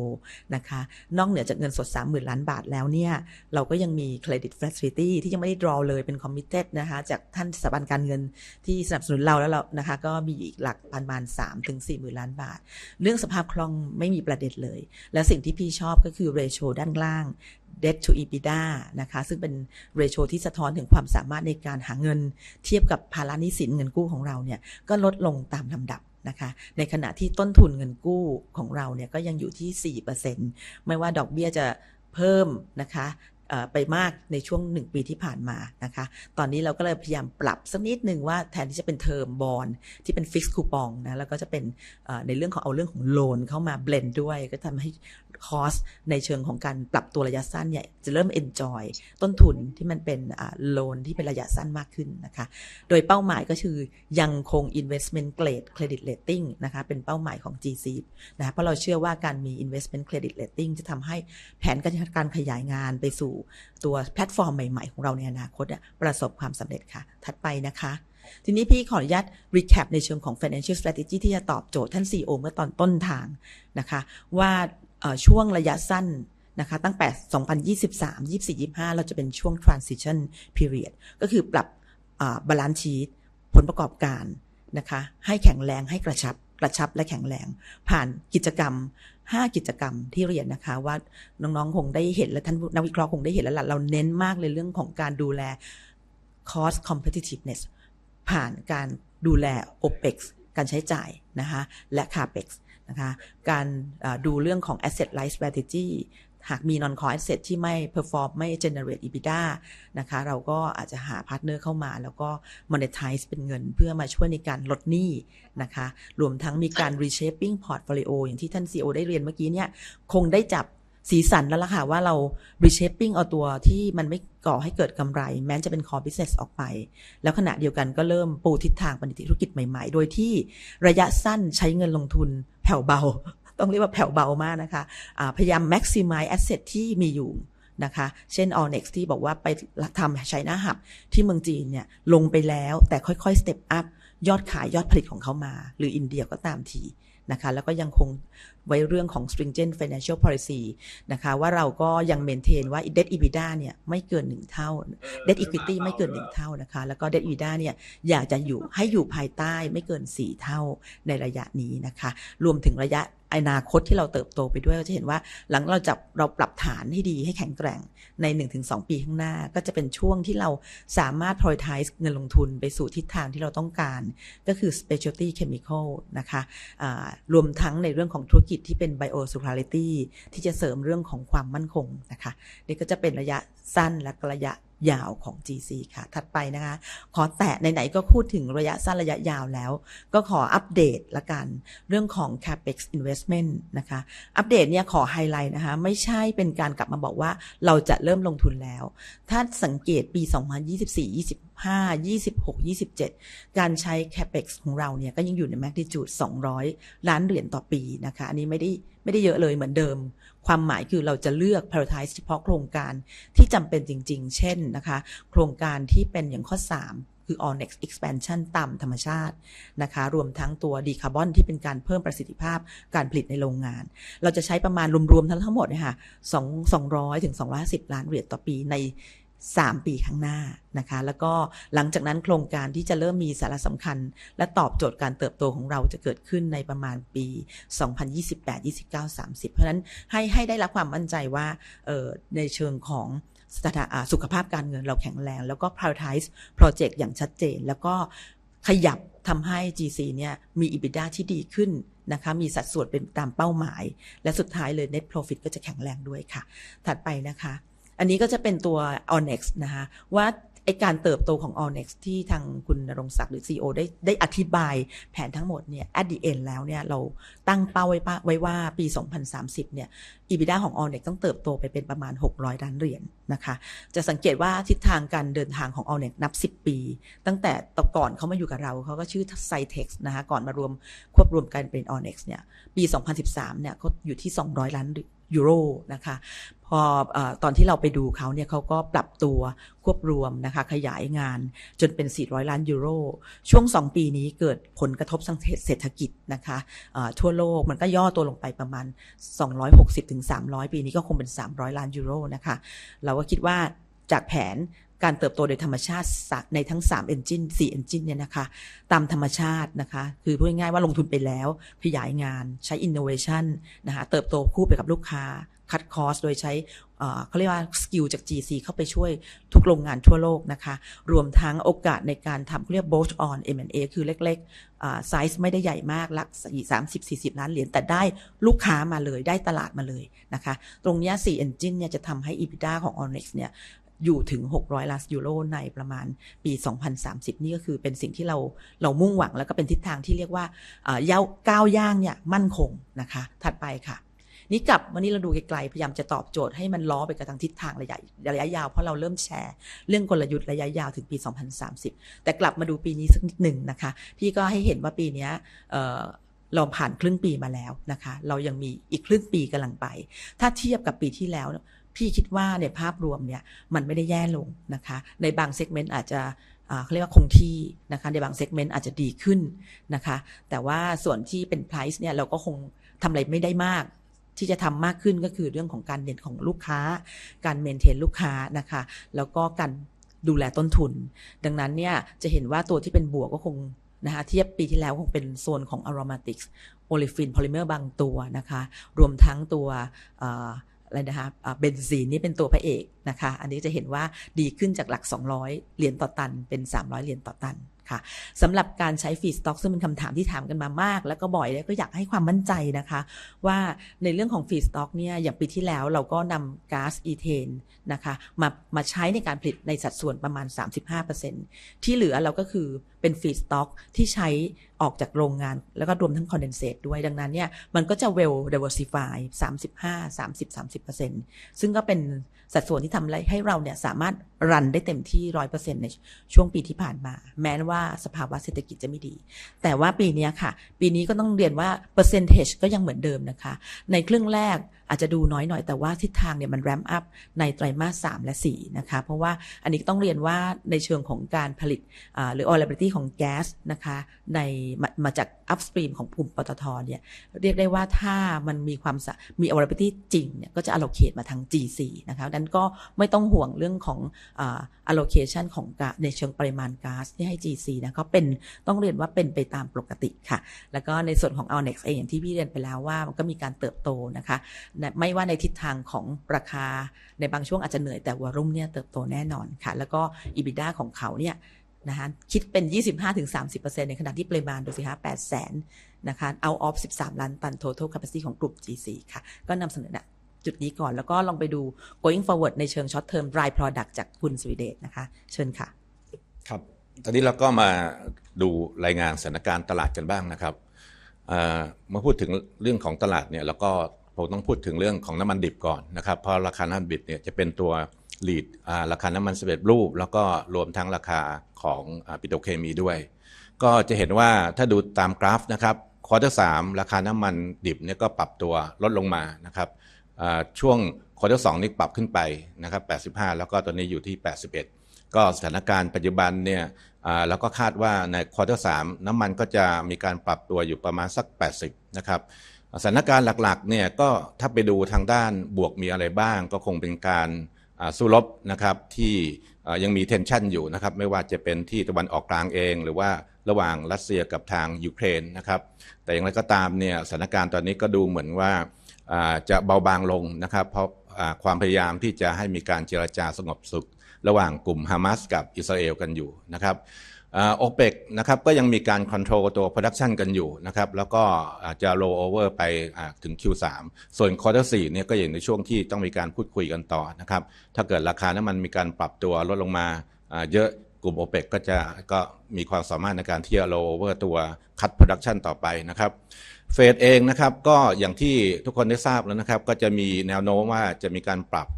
นะคะนอกเหนือจากเงินสดสามหมื่นล้านบาทแล้วเนี่ยเราก็ยังมี Credit Facility ที่ยังไม่ได้ Draw เลยเป็น Committed นะคะจากท่านสถาบันการเงินที่สนับสนุนเราแล้วเรานะคะก็มีอีกหลักประมาณสามถึงสี่หมื่นล้านบาทเรื่องสภาพคล่องไม่มีประเด็นเลยและสิ่งที่พี่ชอบก็คือ Ratio ด้านล่าง Debt to EBITDA นะคะซึ่งเป็น Ratio ที่สะท้อนถึงความสามารถในการหาเงินเทียบกับภาระหนี้สินเงินกู้ของเราเนี่ยก็ลดลงตามลำดับนะคะในขณะที่ต้นทุนเงินกู้ของเราเนี่ยก็ยังอยู่ที่สี่เปอร์เซ็นต์ไม่ว่าดอกเบี้ยจะเพิ่มนะคะเอ่อไปมากในช่วงหนึ่งปีที่ผ่านมานะคะตอนนี้เราก็เลยพยายามปรับสักนิดนึงว่าแทนที่จะเป็น Term Bond ที่เป็น Fixed Coupon นะแล้วก็จะเป็นเอ่อในเรื่องของเอาเรื่องของ Loan เข้ามา Blend ด้วยก็ทำให้ Cost ในเชิงของการปรับตัวระยะสั้นเนี่ยจะเริ่ม Enjoy ต้นทุนที่มันเป็นอ่า Loan ที่เป็นระยะสั้นมากขึ้นนะคะโดยเป้าหมายก็คือยังคง Investment Grade Credit Rating นะคะเป็นเป้าหมายของ GC นะเพราะเราเชื่อว่าการมี Investment Credit Rating จะทำให้แผนการขยายงานไปสู่ตัวแพลตฟอร์มใหม่ๆของเราในอนาคตเนี่ยประสบความสำเร็จค่ะถัดไปนะคะทีนี้พี่ขออนุญาต Recap ในเชิงของ Financial Strategy ที่จะตอบโจทย์ท่าน CEO เมื่อตอนต้นทางนะคะว่าเอ่อช่วงระยะสั้นนะคะตั้งแต่ 2023, 24, 25เราจะเป็นช่วง Transition Period ก็คือปรับอ่า Balance Sheet ผลประกอบการนะคะให้แข็งแรงให้กระชับกระชับและแข็งแรงผ่านกิจกรรมห้ากิจกรรมที่เรียนนะคะว่าน้องๆคงได้เห็นและท่านนักวิเคราะห์คงได้เห็นแล้วละเราเน้นมากในเรื่องของการดูแล Cost Competitiveness ผ่านการดูแล Opex การใช้จ่ายนะคะและ Capex นะคะการดูเรื่องของ Asset Life Strategy หากมี Non Core Asset ที่ไม่ Perform ไม่ Generate EBITDA นะคะเราก็อาจจะหา Partner เข้ามาแล้วก็ Monetize เป็นเงินเพื่อมาช่วยในการลดหนี้นะคะรวมทั้งมีการ Reshaping Portfolio อย่างที่ท่าน CEO ได้เรียนเมื่อกี้เนี่ยคงได้จับสีสันแล้วละค่ะว่าเรา Reshaping เอาตัวที่มันไม่ก่อให้เกิดกำไรแม้จะเป็น Core Business ออกไปแล้วขณะเดียวกันก็เริ่มปูทิศทางธุรกิจใหม่ๆโดยที่ระยะสั้นใช้เงินลงทุนแผ่วเบาต้องเรียกว่าแผ่วเบามากนะคะอ่าพยายาม Maximize Asset ที่มีอยู่นะคะเช่น allnex ที่บอกว่าไปทำ China Hub ที่เมืองจีนเนี่ยลงไปแล้วแต่ค่อยๆ Step Up ยอดขายยอดผลิตของเขามาหรืออินเดียก็ตามทีนะคะแล้วก็ยังคงไว้เรื่องของ Stringent Financial Policy นะคะว่าเราก็ยัง Maintain ว่า Debt EBITDA เนี่ยไม่เกินหนึ่งเท่า- Debt Equity ไม่เกินหนึ่งเท่านะคะแล้วก็ Debt EBITDA เนี่ยอยากจะอยู่ให้อยู่ภายใต้ไม่เกินสี่เท่าในระยะนี้นะคะรวมถึงระยะอนาคตที่เราเติบโตไปด้วยเราจะเห็นว่าหลังจากเราจับเราปรับฐานให้ดีให้แข็งแกร่งในหนึ่งถึงสองปีข้างหน้าก็จะเป็นช่วงที่เราสามารถ Prioritize เยาวของ GC ค่ะถัดไปนะคะขอแตะไหนๆก็พูดถึงระยะสั้นระยะยาวแล้วก็ขออัปเดตแล้วกันเรื่องของ Capex Investment นะคะอัปเดตเนี่ยขอไฮไลท์นะคะไม่ใช่เป็นการกลับมาบอกว่าเราจะเริ่มลงทุนแล้วถ้าสังเกตปี 2024, 25, 26, 27การใช้ Capex ของเราเนี่ยก็ยังอยู่ใน Magnitude สองร้อยล้านเหรียญต่อปีนะคะอันนี้ไม่ได้ไม่ได้เยอะเลยเหมือนเดิมความหมายคือเราจะเลือก Prioritize เฉพาะโครงการที่จำเป็นจริงๆเช่นนะคะโครงการที่เป็นอย่างข้อสามคือ allnex Expansion ตามธรรมชาตินะคะรวมทั้งตัว Decarbon ที่เป็นการเพิ่มประสิทธิภาพการผลิตในโรงงานเราจะใช้ประมาณรวมๆทั้งหมดเนี่ยค่ะสองร้อยถึงสองร้อยห้าสิบล้านเหรียญต่อปีในสามปีข้างหน้านะคะแล้วก็หลังจากนั้นโครงการที่จะเริ่มมีสาระสำคัญและตอบโจทย์การเติบโตของเราจะเกิดขึ้นในประมาณปี 2028, 29, 30เพราะฉะนั้นให้ให้ได้รับความมั่นใจว่าเอ่อในเชิงของสถานะสุขภาพการเงินเราแข็งแรงแล้วก็ Prioritize Project อย่างชัดเจนแล้วก็ขยับทำให้ GC เนี่ยมี EBITDA ที่ดีขึ้นนะคะมีสัดส่วนเป็นตามเป้าหมายและสุดท้ายเลย Net Profit ก็จะแข็งแรงด้วยค่ะถัดไปนะค ะ... อันนี้ก็จะเป็นตัว Allnex นะคะว่าไอการเติบโตของ Allnex ที่ทางคุณณรงค์ศักดิ์หรือซีอีโอได้ได้อธิบายแผนทั้งหมดเนี่ย At the end แล้วเนี่ยเราตั้งเป้าไว้ป้าไว้ว่าปี2030เนี่ย EBITDA ของ Allnex ต้องเติบโตไปเป็นประมาณหกร้อยล้านเหรียญนะคะจะสังเกตว่าทิศทางการเดินทางของ Allnex นับสิบปีตั้งแต่ก่อนเขามาอยู่กับเราเขาก็ชื่อ Cytec นะคะก่อนมารวมควบรวมกันเป็น Allnex เนี่ยปี2013เนี่ยก็อยู่ที่สองร้อยล้านยูโรนะคะพอเอ่อตอนที่เราไปดูเขาเนี่ยเขาก็ปรับตัวควบรวมนะคะขยายงานจนเป็นสี่ร้อยล้านยูโรช่วงสองปีนี้เกิดผลกระทบทางเศรษฐกิจนะคะเอ่อทั่วโลกมันก็ย่อตัวลงไปประมาณสองร้อยหกสิบถึงสามร้อยปีนี้ก็คงเป็นสามร้อยล้านยูโรนะคะเราก็คิดว่าจากแผนการเติบโตโดยธรรมชาติสามในทั้งสาม Engine สี่ Engine เนี่ยนะคะตามธรรมชาตินะคะคือพูดง่ายๆว่าลงทุนไปแล้วขยายงานใช้ Innovation นะคะเติบโตคู่ไปกับลูกค้า Cut Cost โดยใช้เอ่อเขาเรียกว่า Skill จาก GC เข้าไปช่วยทุกโรงงานทั่วโลกนะคะรวมทั้งโอกาสในการทำเขาเรียก Bolt on M&A คือเล็กๆอ่า Size ไม่ได้ใหญ่มากหลักสามสิบสี่สิบล้านเหรียญแต่ได้ลูกค้ามาเลยได้ตลาดมาเลยนะคะตรงเนี้ยสี่ Engine เนี่ยจะทำให้ EBITDA ของ Allnex เนี่ยอยู่ถึงหกร้อยล้านยูโรในประมาณปี2030นี่ก็คือเป็นสิ่งที่เราเรามุ่งหวังแล้วก็เป็นทิศทางที่เรียกว่าเอ่ออย่างก้าวย่างเนี่ยมั่นคงนะคะถัดไปค่ะนี่กลับวันนี้เราดูไกลๆพยายามจะตอบโจทย์ให้มันล้อไปกับทางทิศทางระยะระยะยาวเพราะเราเริ่มแชร์เรื่องกลยุทธ์ระยะยาวถึงปี2030แต่กลับมาดูปีนี้สักนิดนึงนะคะพี่ก็ให้เห็นว่าปีเนี้ยเอ่อเราผ่านครึ่งปีมาแล้วนะคะเรายังมีอีกครึ่งปีกำลังไปถ้าเทียบกับปีที่แล้วพี่คิดว่าในภาพรวมเนี่ยมันไม่ได้แย่ลงนะคะในบาง Segment อาจจะเอ่อเขาเรียกว่าคงที่นะคะในบาง Segment อาจจะดีขึ้นนะคะแต่ว่าส่วนที่เป็น Price เนี่ยเราก็คงทำอะไรไม่ได้มากที่จะทำมากขึ้นก็คือเรื่องของการเด่นของลูกค้าการ Maintain ลูกค้านะคะแล้วก็การดูแลต้นทุนดังนั้นเนี่ยจะเห็นว่าตัวที่เป็นบวกก็คงนะคะเทียบปีที่แล้วคงเป็นโซนของ Aromatic Olefin Polymer บางตัวนะคะรวมทั้งตัวเอ่ออะไรนะคะเบนซีนนี่เป็นตัวพระเอกนะคะอันนี้จะเห็นว่าดีขึ้นจากหลักสองร้อยเหรียญต่อตันเป็นสามร้อยเหรียญต่อตันค่ะสำหรับการใช้ Feedstock ซึ่งเป็นคำถามที่ถามกันมามากแล้วก็บ่อยแล้วก็อยากให้ความมั่นใจนะคะว่าในเรื่องของ Feedstock เนี่ยอย่างปีที่แล้วเราก็นำก๊าซอีเทนนะคะมามาใช้ในการผลิตในสัดส่วนประมาณสามสิบห้าเปอร์เซ็นต์ที่เหลือเราก็คือเป็น Feedstock ที่ใช้ออกจากโรงงานแล้วก็รวมทั้ง Condensate ด้วยดังนั้นเนี่ยมันก็จะ Well Diversify สามสิบห้าสามสิบสามสิบเปอร์เซ็นต์ซึ่งก็เป็นสัดส่วนที่ทำอะไรให้เราเนี่ยสามารถรันได้เต็มที่ร้อยเปอร์เซ็นต์ในช่วงปีที่ผ่านมาแม้นว่าสภาวะเศรษฐกิจจะไม่ดีแต่ว่าปีนี้ค่ะปีนี้ก็ต้องเรียนว่า Percentage ก็ยังเหมือนเดิมนะคะในครึ่งแรกอาจจะดูน้อยหน่อยแต่ว่าทิศทางเนี่ยมัน Ramp up ในไตรมาสสามและสี่นะคะเพราะว่าอันนี้ต้องเรียนว่าในเชิงของการผลิตอ่าหรือ Availability ของแก๊สนะคะในมามาจาก Upstream ของกลุ่มปต ท. เนี่ยเรียกได้ว่าถ้ามันมีความสามารถ Availability จริงเนี่ยก็จะ Allocation มาทาง GC นะคะดังนั้นก็ไม่ต้องห่วงเรื่องของอ่า Allocation ของก๊าซในเชิงปริมาณก๊าซที่ให้ GC นะก็เป็นต้องเรียนว่าเป็นไปตามปกติค่ะแล้วก็ในส่วนของ Allnex เองอย่างที่พี่เรียนไปแล้วว่ามันก็มีการเติบโตนะคะไม่ว่าในทิศทางของราคาในบางช่วงอาจจะเหนื่อยแต่วอลลุ่มเนี่ยเติบโตแน่นอนค่ะแล้วก็ EBITDA ของเขาเนี่ยนะคะคิดเป็นยี่สิบห้าถึงสามสิบเปอร์เซ็นต์ในขณะที่ปริมาณดูสิคะแปดแสนนะคะ Out of สิบสามล้านตัน Total Capacity ของกลุ่ม GC ค่ะก็นำเสนอณจุดนี้ก่อนแล้วก็ลองไปดู Going Forward ในเชิง Short Term Dry Product จากคุณสุวิเดชนะคะเชิญค่ะครับตอนนี้เราก็มาดูรายงานสถานการณ์ตลาดกันบ้างนะครับเอ่อมาพูดถึงเรื่องของตลาดเนี่ยเราก็คงต้องพูดถึงเรื่องของน้ำมันดิบก่อนนะครับเพราะราคาน้ำมันดิบเนี่ยจะเป็นตัว Lead อ่าราคาน้ำมันสำเร็จรูปแล้วก็รวมทั้งราคาของปิโตรเคมีด้วยก็จะเห็นว่าถ้าดูตามกราฟนะครับ Quarter สามราคาน้ำมันดิบเนี่ยก็ปรับตัวลดลงมานะครับเอ่อช่วง Quarter สองนี่ปรับขึ้นไปนะครับแปดสิบห้าแล้วก็ตอนนี้อยู่ที่แปดสิบเอ็ดก็สถานการณ์ปัจจุบันเนี่ยเอ่อเราก็คาดว่าใน Quarter สามน้ำมันก็จะมีการปรับตัวอยู่ประมาณสักแปดสิบนะครับสถานการณ์หลักๆเนี่ยก็ถ้าไปดูทางด้านบวกมีอะไรบ้างก็คงเป็นการอ่าสู้รบนะครับที่เอ่อยังมี Tension อยู่นะครับไม่ว่าจะเป็นที่ตะวันออกกลางเองหรือว่าระหว่างรัสเซียกับทางยูเครนนะครับแต่อย่างไรก็ตามเนี่ยสถานการณ์ตอนนี้ก็ดูเหมือนว่าอ่าจะเบาบางลงนะครับเพราะอ่าความพยายามที่จะให้มีการเจรจาสงบสุขระหว่างกลุ่มฮามาสกับอิสราเอลกันอยู่นะครับเอ่อโอเปกนะครับก็ยังมีการ Control ตัว Production กันอยู่นะครับแล้วก็อาจจะ Roll over ไปอ่าถึง Q3 ส่วน Quarter สี่เนี่ยก็อยู่ในช่วงที่ต้องมีการพูดคุยกันต่อนะครับถ้าเกิดราคาน้ำมันมีการปรับตัวลดลงมาอ่าเยอะกลุ่มโอเปกก็จะก็มีความสามารถในการที่จะ Roll over ตัว Cut Production ต่อไปนะครับเฟสเองนะครับก็อย่างที่ทุกคนได้ทราบแล้วนะครับก็จะมีแนวโน้มว่าจะมีการปรับ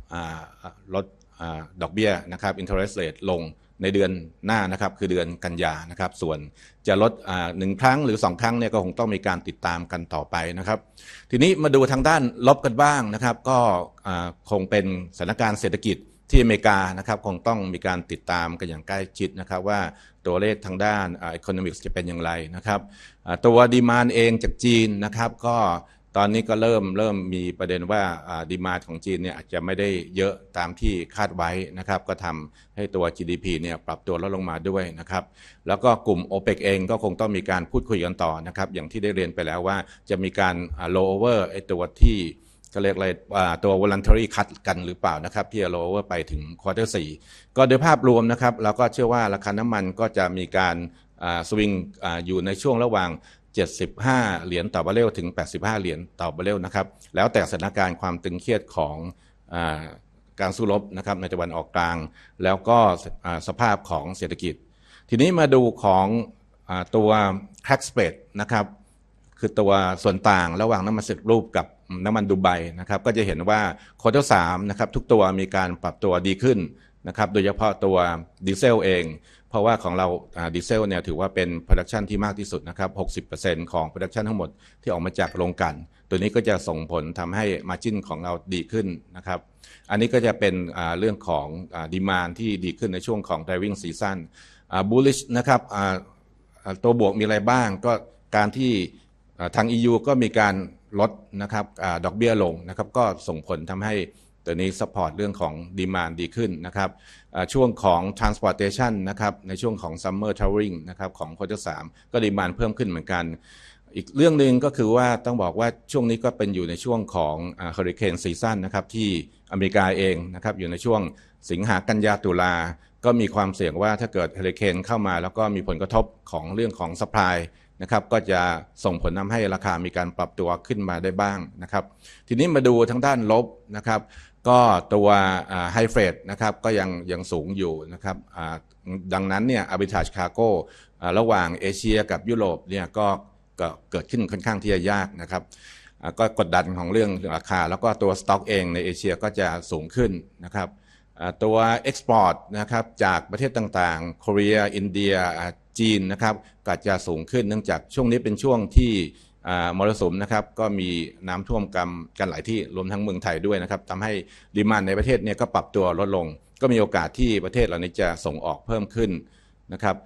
อ่าลดอ่าดอกเบี้ยนะครับ Interest Rate ลงในเดือนหน้านะครับคือเดือนกันยายนนะครับส่วนจะลดอ่าหนึ่งครั้งหรือสองครั้งเนี่ยก็คงต้องมีการติดตามกันต่อไปนะครับทีนี้มาดูทางด้านลบกันบ้างนะครับก็อ่าคงเป็นสถานการณ์เศรษฐกิจที่อเมริกานะครับคงต้องมีการติดตามกันอย่างใกล้ชิดนะครับว่าตัวเลขทางด้าน Economics จะเป็นอย่างไรนะครับอ่าตัว Demand เองจากจีนนะครับก็ตอนนี้ก็เริ่มเริ่มมีประเด็นว่าอ่า Demand ของจีนเนี่ยอาจจะไม่ได้เยอะตามที่คาดไว้นะครับก็ทำให้ตัว GDP เนี่ยปรับตัวลดลงมาด้วยนะครับแล้วก็กลุ่มโอเปกเองก็คงต้องมีการพูดคุยกันต่อนะครับอย่างที่ได้เรียนไปแล้วว่าจะมีการอ่า Roll over ไอ้ตัวที่เขาเรียกอะไรอ่าตัว Voluntary Cut กันหรือเปล่านะครับที่จะ Roll over ไปถึง Quarter สี่ก็โดยภาพรวมนะครับเราก็เชื่อว่าราคาน้ำมันก็จะมีการอ่า Swing อยู่ในช่วงระหว่างเจ็ดสิบห้าเหรียญต่อบาร์เรลถึงแปดสิบห้าเหรียญต่อบาร์เรลนะครับแล้วแต่สถานการณ์ความตึงเครียดของเอ่ อ... การสู้รบนะครับในตะวันออกกลางแล้วก็สภาพของเศรษฐกิจที่นี้มาดูของตัว Crack Spread นะครับคือตัวส่วนต่างระหว่างน้ำมันดิบกับน้ำมันดูไบนะครับก็จะเห็นว่า Quarter 3นะครับทุกตัวมีการปรับตัวดีขึ้นนะครับโดยเฉพาะตัวดีเซลเองเพราะว่าของเราดีเซลนี่ถือว่าเป็น Production ที่มากที่สุดนะครับหกสิบเปอร์เซ็นต์ของ Production ทั้งหมดที่ออกมาจากโรงกลั่นตัวนี้ก็จะส่งผลทำให้ Margin ของเราดีขึ้นนะครับอันนี้ก็จะเป็นเรื่องของ Demand ที่ดีขึ้นในช่วงของ Driving Season Bullish นะครับตัวบวกมีอะไรบ้างก็การที่ทาง EU ก็มีการลดดอกเบี้ยลงนะครับก็ส่งผลทำให้ตัวนี้ Support เรื่องของ Demand ดีขึ้นนะครับช่วงของ Transportation นะครับในช่วงของ Summer Traveling นะครับของ Quarter 3ก็ Demand เพิ่มขึ้นเหมือนกันอีกเรื่องหนึ่งก็คือว่าต้องบอกว่าช่วงนี้ก็เป็นอยู่ในช่วงของ Hurricane Season นะครับที่อเมริกาเองนะครับอยู่ในช่วงสิงหาคมกันยายนตุลาคมก็มีความเสี่ยงว่าถ้าเกิดเฮอริเคนเข้ามาแล้วก็มีผลกระทบของเรื่องของ Supply นะครับก็จะส่งผลทำให้ราคามีการปรับตัวขึ้นมาได้บ้างนะครับที่นี้มาดูทางด้านลบนะครับก็ตัว High Freight นะครับก็ยังยังสูงอยู่นะครับดังนั้นนี่ Arbitrage Cargo ระหว่างเอเชียกับยุโรปนี่ก็เกิดขึ้นค่อนข้างที่จะยากนะครับก็กดดันของเรื่องราคาแล้วก็ตัว Stock เองในเอเชียก็จะสูงขึ้นนะครับตัว Export นะครับจากประเทศต่างๆ Korea อินเดียจีนนะครับก็จะสูงขึ้นเนื่องจากช่วงนี้เป็นช่วงที่มรสุมนะครับก็มีน้ำท่วมกันหลายที่รวมทั้งเมืองไทยด้วยนะครับทำให้ Demand ในประเทศนี่ก็ปรับตัวลดลงก็มีโอกาสที่ประเทศเหล่านี้จะส่งออกเพิ่มขึ้นนะครับ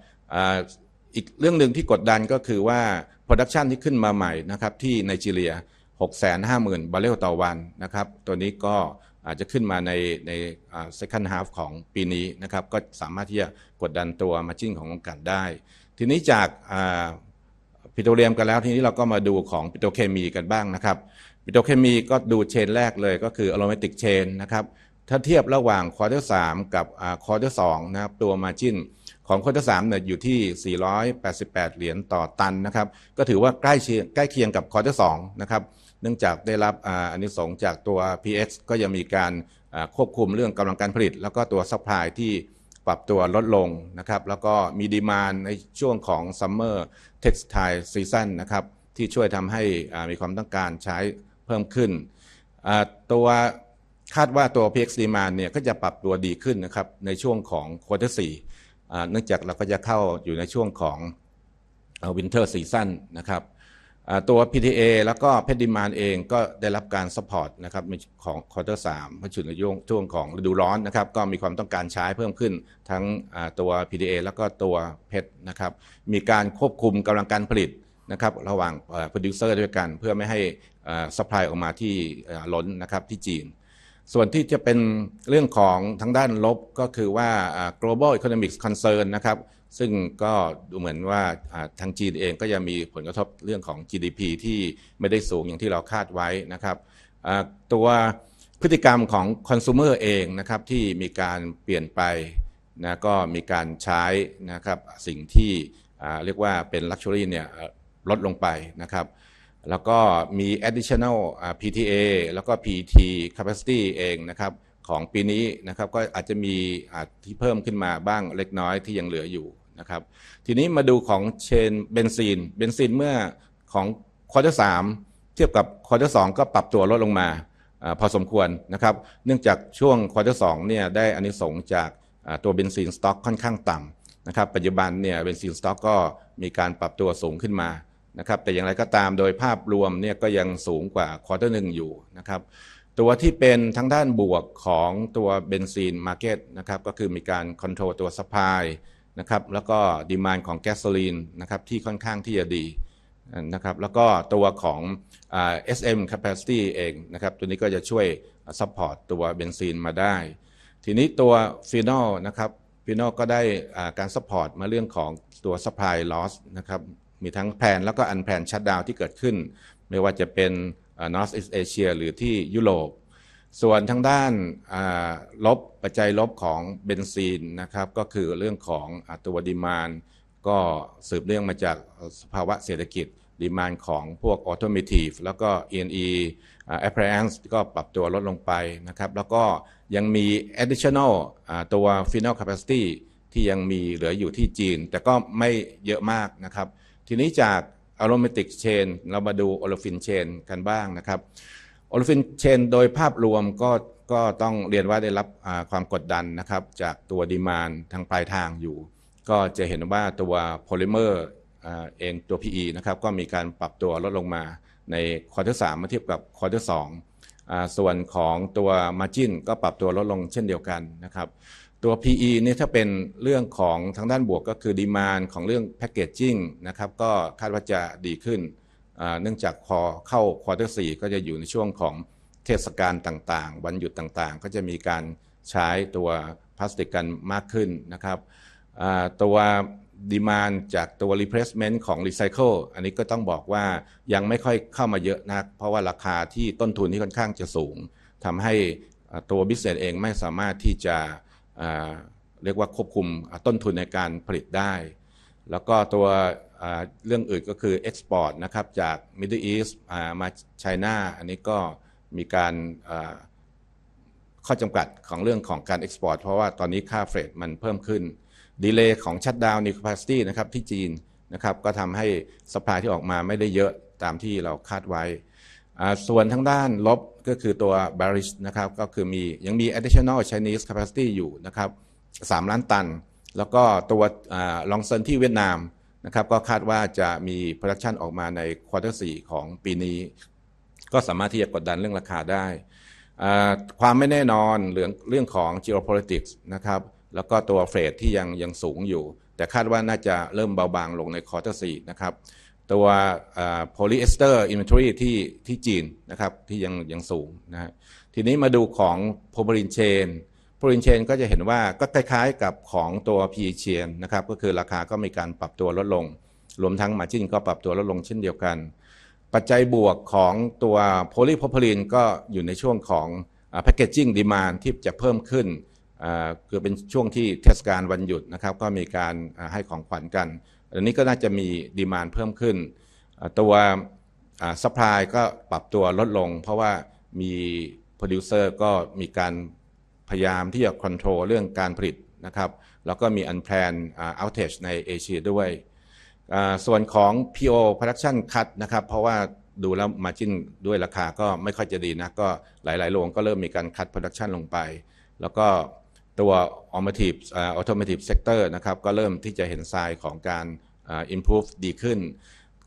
อีกเรื่องหนึ่งที่กดดันก็คือว่า Production ที่ขึ้นมาใหม่นะครับที่ไนจีเรียหกแสนห้าหมื่นบาร์เรลต่อวันนะครับตัวนี้ก็อาจจะขึ้นมาใน Second Half ของปีนี้นะครับก็สามารถที่จะกดดันตัว Margin ของโรงกลั่นได้ที่นี้จาก Petroleum กันแล้วที่นี้เราก็มาดูของปิโตรเคมีกันบ้างนะครับปิโตรเคมีก็ดู Chain แรกเลยก็คือ Aromatic Chain นะครับถ้าเทียบระหว่าง Quarter 3กับ Quarter 2นะครับตัว Margin ของ Quarter 3นี่อยู่ที่สี่ร้อยแปดสิบแปดเหรียญต่อตันนะครับก็ถือว่าใกล้เคียงกับ Quarter 2นะครับเนื่องจากได้รับอานิสงส์จากตัว PS ก็ยังมีการควบคุมเรื่องกำลังการผลิตแล้วก็ตัว Supply ที่ปรับตัวลดลงนะครับแล้วก็มี Demand ในช่วงของ Summer Textile Season นะครับที่ช่วยทำให้มีความต้องการใช้เพิ่มขึ้นตัวคาดว่าตัว PX Demand นี่ก็จะปรับตัวดีขึ้นนะครับในช่วงของ Quarter 4เนื่องจากเราก็จะเข้าอยู่ในช่วงของ Winter Season นะครับตัว PTA แล้วก็ PET Demand เองก็ได้รับการ Support นะครับของ Quarter 3เพราะฉะนั้นช่วงของฤดูร้อนนะครับก็มีความต้องการใช้เพิ่มขึ้นทั้งตัว PTA แล้วก็ตัว PET นะครับมีการควบคุมกำลังการผลิตนะครับระหว่าง Producer ด้วยกันเพื่อไม่ให้ Supply ออกมาที่ล้นนะครับที่จีนส่วนที่จะเป็นเรื่องของทางด้านลบก็คือว่า Global Economic Concern นะครับซึ่งก็ดูเหมือนว่าทางจีนเองก็ยังมีผลกระทบเรื่องของ GDP ที่ไม่ได้สูงอย่างที่เราคาดไว้นะครับตัวพฤติกรรมของ Consumer เองนะครับที่มีการเปลี่ยนไปก็มีการใช้สิ่งที่เรียกว่าเป็น Luxury นี่ลดลงไปนะครับแล้วก็มี Additional PTA แล้วก็ PET Capacity เองนะครับของปีนี้นะครับก็อาจจะมีที่เพิ่มขึ้นมาบ้างเล็กน้อยที่ยังเหลืออยู่นะครับที่นี้มาดูของ Chain Benzene Benzene เมื่อของ Quarter 3เทียบกับ Quarter 2ก็ปรับตัวลดลงมาพอสมควรนะครับเนื่องจากช่วง Quarter 2นี่ได้อานิสงส์จากตัว Benzene Stock ค่อนข้างต่ำนะครับปัจจุบันนี่ Benzene Stock ก็มีการปรับตัวสูงขึ้นมานะครับแต่อย่างไรก็ตามโดยภาพรวมนี่ก็ยังสูงกว่า Quarter 1อยู่นะครับตัวที่เป็นทางด้านบวกของตัว Benzene Market นะครับก็คือมีการ Control ตัว Supply นะครับแล้วก็ Demand ของ Gasoline นะครับที่ค่อนข้างที่จะดีนะครับแล้วก็ตัวของ SM Capacity เองนะครับตัวนี้ก็จะช่วย Support ตัว Benzene มาได้ที่นี้ตัว Phenol นะครับ Phenol ก็ได้การ Support มาเรื่องของตัว Supply Loss นะครับมีทั้ง Plan แล้วก็ Unplan Shutdown ที่เกิดขึ้นไม่ว่าจะเป็น North East Asia หรือที่ยุโรปส่วนทางด้านปัจจัยลบของ Benzene นะครับก็คือเรื่องของตัว Demand ก็สืบเนื่องมาจากสภาวะเศรษฐกิจ Demand ของพวก Automotive แล้วก็ ENE Appearance ก็ปรับตัวลดลงไปนะครับแล้วก็ยังมี Additional ตัว Phenol Capacity ที่ยังมีเหลืออยู่ที่จีนแต่ก็ไม่เยอะมากนะครับที่นี้จาก Aromatic Chain เรามาดู Olefin Chain กันบ้างนะครับ Olefin Chain โดยภาพรวมก็ต้องเรียนว่าได้รับความกดดันนะครับจากตัว Demand ทางปลายทางอยู่ก็จะเห็นว่าตัว Polymer เองตัว PE นะครับก็มีการปรับตัวลดลงมาใน Quarter 3เมื่อเทียบกับ Quarter 2ส่วนของตัว Margin ก็ปรับตัวลดลงเช่นเดียวกันนะครับตัว PE นี้ถ้าเป็นเรื่องของทางด้านบวกก็คือ Demand ของเรื่อง Packaging นะครับก็คาดว่าจะดีขึ้นเนื่องจากพอเข้า Quarter 4ก็จะอยู่ในช่วงของเทศกาลต่างๆวันหยุดต่างๆก็จะมีการใช้ตัวพลาสติกกันมากขึ้นนะครับตัว Demand จากตัว Replacement ของ Recycle อันนี้ก็ต้องบอกว่ายังไม่ค่อยเข้ามาเยอะนักเพราะว่าราคาที่ต้นทุนนี่ค่อนข้างจะสูงทำให้ตัว Business เองไม่สามารถที่จ ะ... อ่าเรียกว่าควบคุมต้นทุนในการผลิตได้แล้วก็ตัวอ่าเรื่องอื่นก็คือ Export นะครับจาก Middle East อ่ามา China อันนี้ก็มีการเอ่อข้อจำกัดของเรื่องของการ Export เพราะว่าตอนนี้ค่า Freight มันเพิ่มขึ้น Delay ของ Shutdown New Capacity นะครับที่จีนนะครับก็ทำให้ Supply ที่ออกมาไม่ได้เยอะตามที่เราคาดไว้อ่าส่วนทางด้านลบก็คือตัว Bearish นะครับก็คือมียังมี Additional Chinese Capacity อยู่นะครับสามล้านตันแล้วก็ตัว Longson ที่เวียดนามนะครับก็คาดว่าจะมี Production ออกมาใน Quarter สี่ของปีนี้ก็สามารถที่จะกดดันเรื่องราคาได้อ่าความไม่แน่นอนเรื่องของ Geopolitics นะครับแล้วก็ตัว Freight ที่ยังยังสูงอยู่แต่คาดว่าน่าจะเริ่มเบาบางลงใน Quarter สี่นะครับตัวเอ่อ Polyester Inventory ที่ที่จีนนะครับที่ยังยังสูงนะฮะทีนี้มาดูของ Polyethylene, Polyethylene ก็จะเห็นว่าก็คล้ายๆกับของตัว PE Chain นะครับก็คือราคาก็มีการปรับตัวลดลงรวมทั้ง Margin ก็ปรับตัวลดลงเช่นเดียวกันปัจจัยบวกของตัว Polypropylene ก็อยู่ในช่วงของ Packaging Demand ที่จะเพิ่มขึ้นเอ่อคือเป็นช่วงที่เทศกาลวันหยุดนะครับก็มีการให้ของขวัญกันอันนี้ก็น่าจะมี Demand เพิ่มขึ้นตัว Supply ก็ปรับตัวลดลงเพราะว่ามี Producer ก็มีการพยายามที่จะ Control เรื่องการผลิตนะครับแล้วก็มี Unplanned Outage ในเอเชียด้วยส่วนของ PO Production Cut นะครับเพราะว่าดูแล้ว Margin ด้วยราคาก็ไม่ค่อยจะดีนักก็หลายๆโรงก็เริ่มมีการ Cut Production ลงไปแล้วก็ตัว Automotive Sector นะครับก็เริ่มที่จะเห็น Sign ของการ Improve ดีขึ้น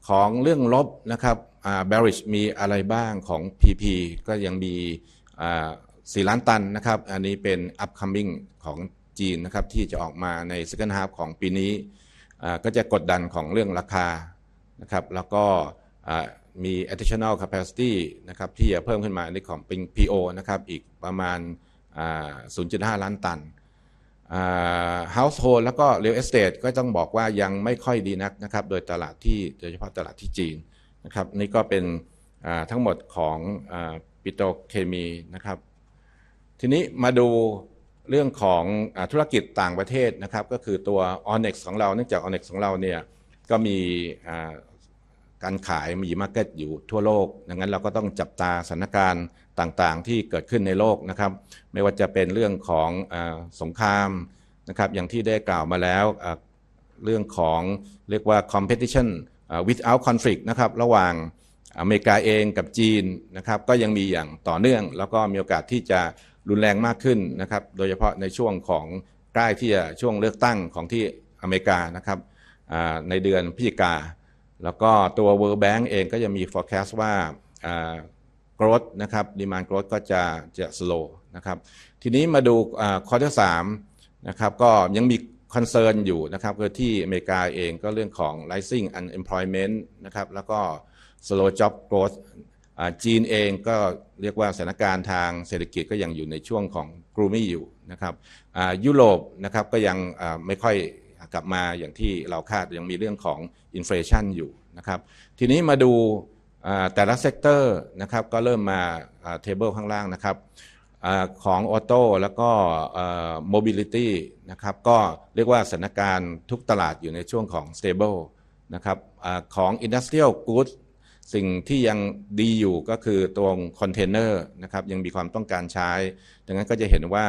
ของเรื่องลบนะครับอ่า Bearish มีอะไรบ้างของ PP ก็ยังมีอ่าสี่ล้านตันนะครับอันนี้เป็น Upcoming ของจีนนะครับที่จะออกมาใน Second Half ของปีนี้อ่าก็จะกดดันของเรื่องราคานะครับแล้วก็อ่ามี Additional Capacity นะครับที่จะเพิ่มขึ้นมาในของเป็น PO นะครับอีกประมาณอ่าศูนย์จุดห้าล้านตันอ่า Household แล้วก็ Real Estate ก็ต้องบอกว่ายังไม่ค่อยดีนักนะครับโดยตลาดที่โดยเฉพาะตลาดที่จีนนะครับนี่ก็เป็นทั้งหมดของปิโตรเคมีนะครับทีนี้มาดูเรื่องของธุรกิจต่างประเทศนะครับก็คือตัว Onex ของเราเนื่องจาก Onex ของเรานี่ยก็มีการขายมี Market อยู่ทั่วโลกดังนั้นเราก็ต้องจับตาสถานการณ์ต่างๆที่เกิดขึ้นในโลกนะครับไม่ว่าจะเป็นเรื่องของสงครามนะครับอย่างที่ได้กล่าวมาแล้วเรื่องของเรียกว่า Competition Without Conflict นะครับระหว่างอเมริกาเองกับจีนนะครับก็ยังมีอย่างต่อเนื่องแล้วก็มีโอกาสที่จะรุนแรงมากขึ้นนะครับโดยเฉพาะในช่วงของใกล้ที่จะช่วงเลือกตั้งของที่อเมริกานะครับอ่าในเดือนพฤศจิกาและก็ตัว World Bank เองก็ยังมี Forecast ว่าเอ่อ Growth นะครับ Demand Growth ก็จะจะ Slow นะครับทีนี้มาดูอ่า Quarter สามนะครับก็ยังมี Concern อยู่นะครับคือที่อเมริกาเองก็เรื่องของ Rising Unemployment นะครับแล้วก็ Slow Job Growth อ่าจีนเองก็เรียกว่าสถานการณ์ทางเศรษฐกิจก็ยังอยู่ในช่วงของ Gloomy อยู่นะครับอ่ายุโรปนะครับก็ยังไม่ค่อยกลับมาอย่างที่เราคาดยังมีเรื่องของ Inflation อยู่นะครับทีนี้มาดูแต่ละ Sector นะครับก็เริ่มมา Table ข้างล่างนะครับอ่าของ Auto แล้วก็ Mobility นะครับก็เรียกว่าสถานการณ์ทุกตลาดอยู่ในช่วงของ Stable นะครับอ่าของ Industrial Goods สิ่งที่ยังดีอยู่ก็คือตรง Container นะครับยังมีความต้องการใช้ดังนั้นก็จะเห็นว่า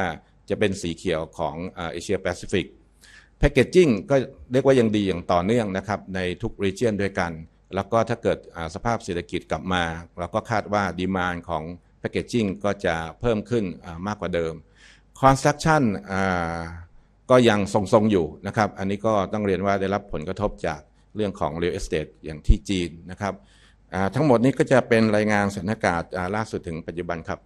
จะเป็นสีเขียวของเอเชียแปซิฟิก Packaging ก็เรียกว่ายังดีอย่างต่อเนื่องนะครับในทุก Region ด้วยกันแล้วก็ถ้าเกิดสภาพเศรษฐกิจกลับมาเราก็คาดว่า Demand ของ Packaging ก็จะเพิ่มขึ้นมากกว่าเดิม Construction อ่าก็ยังทรงๆอยู่นะครับอันนี้ก็ต้องเรียนว่าได้รับผลกระทบจากเรื่องของ Real Estate อย่างที่จีนนะครับอ่าทั้งหมดนี้ก็จะเป็นรายงานสถานการณ์ล่าสุดถึงปัจจุบันครับ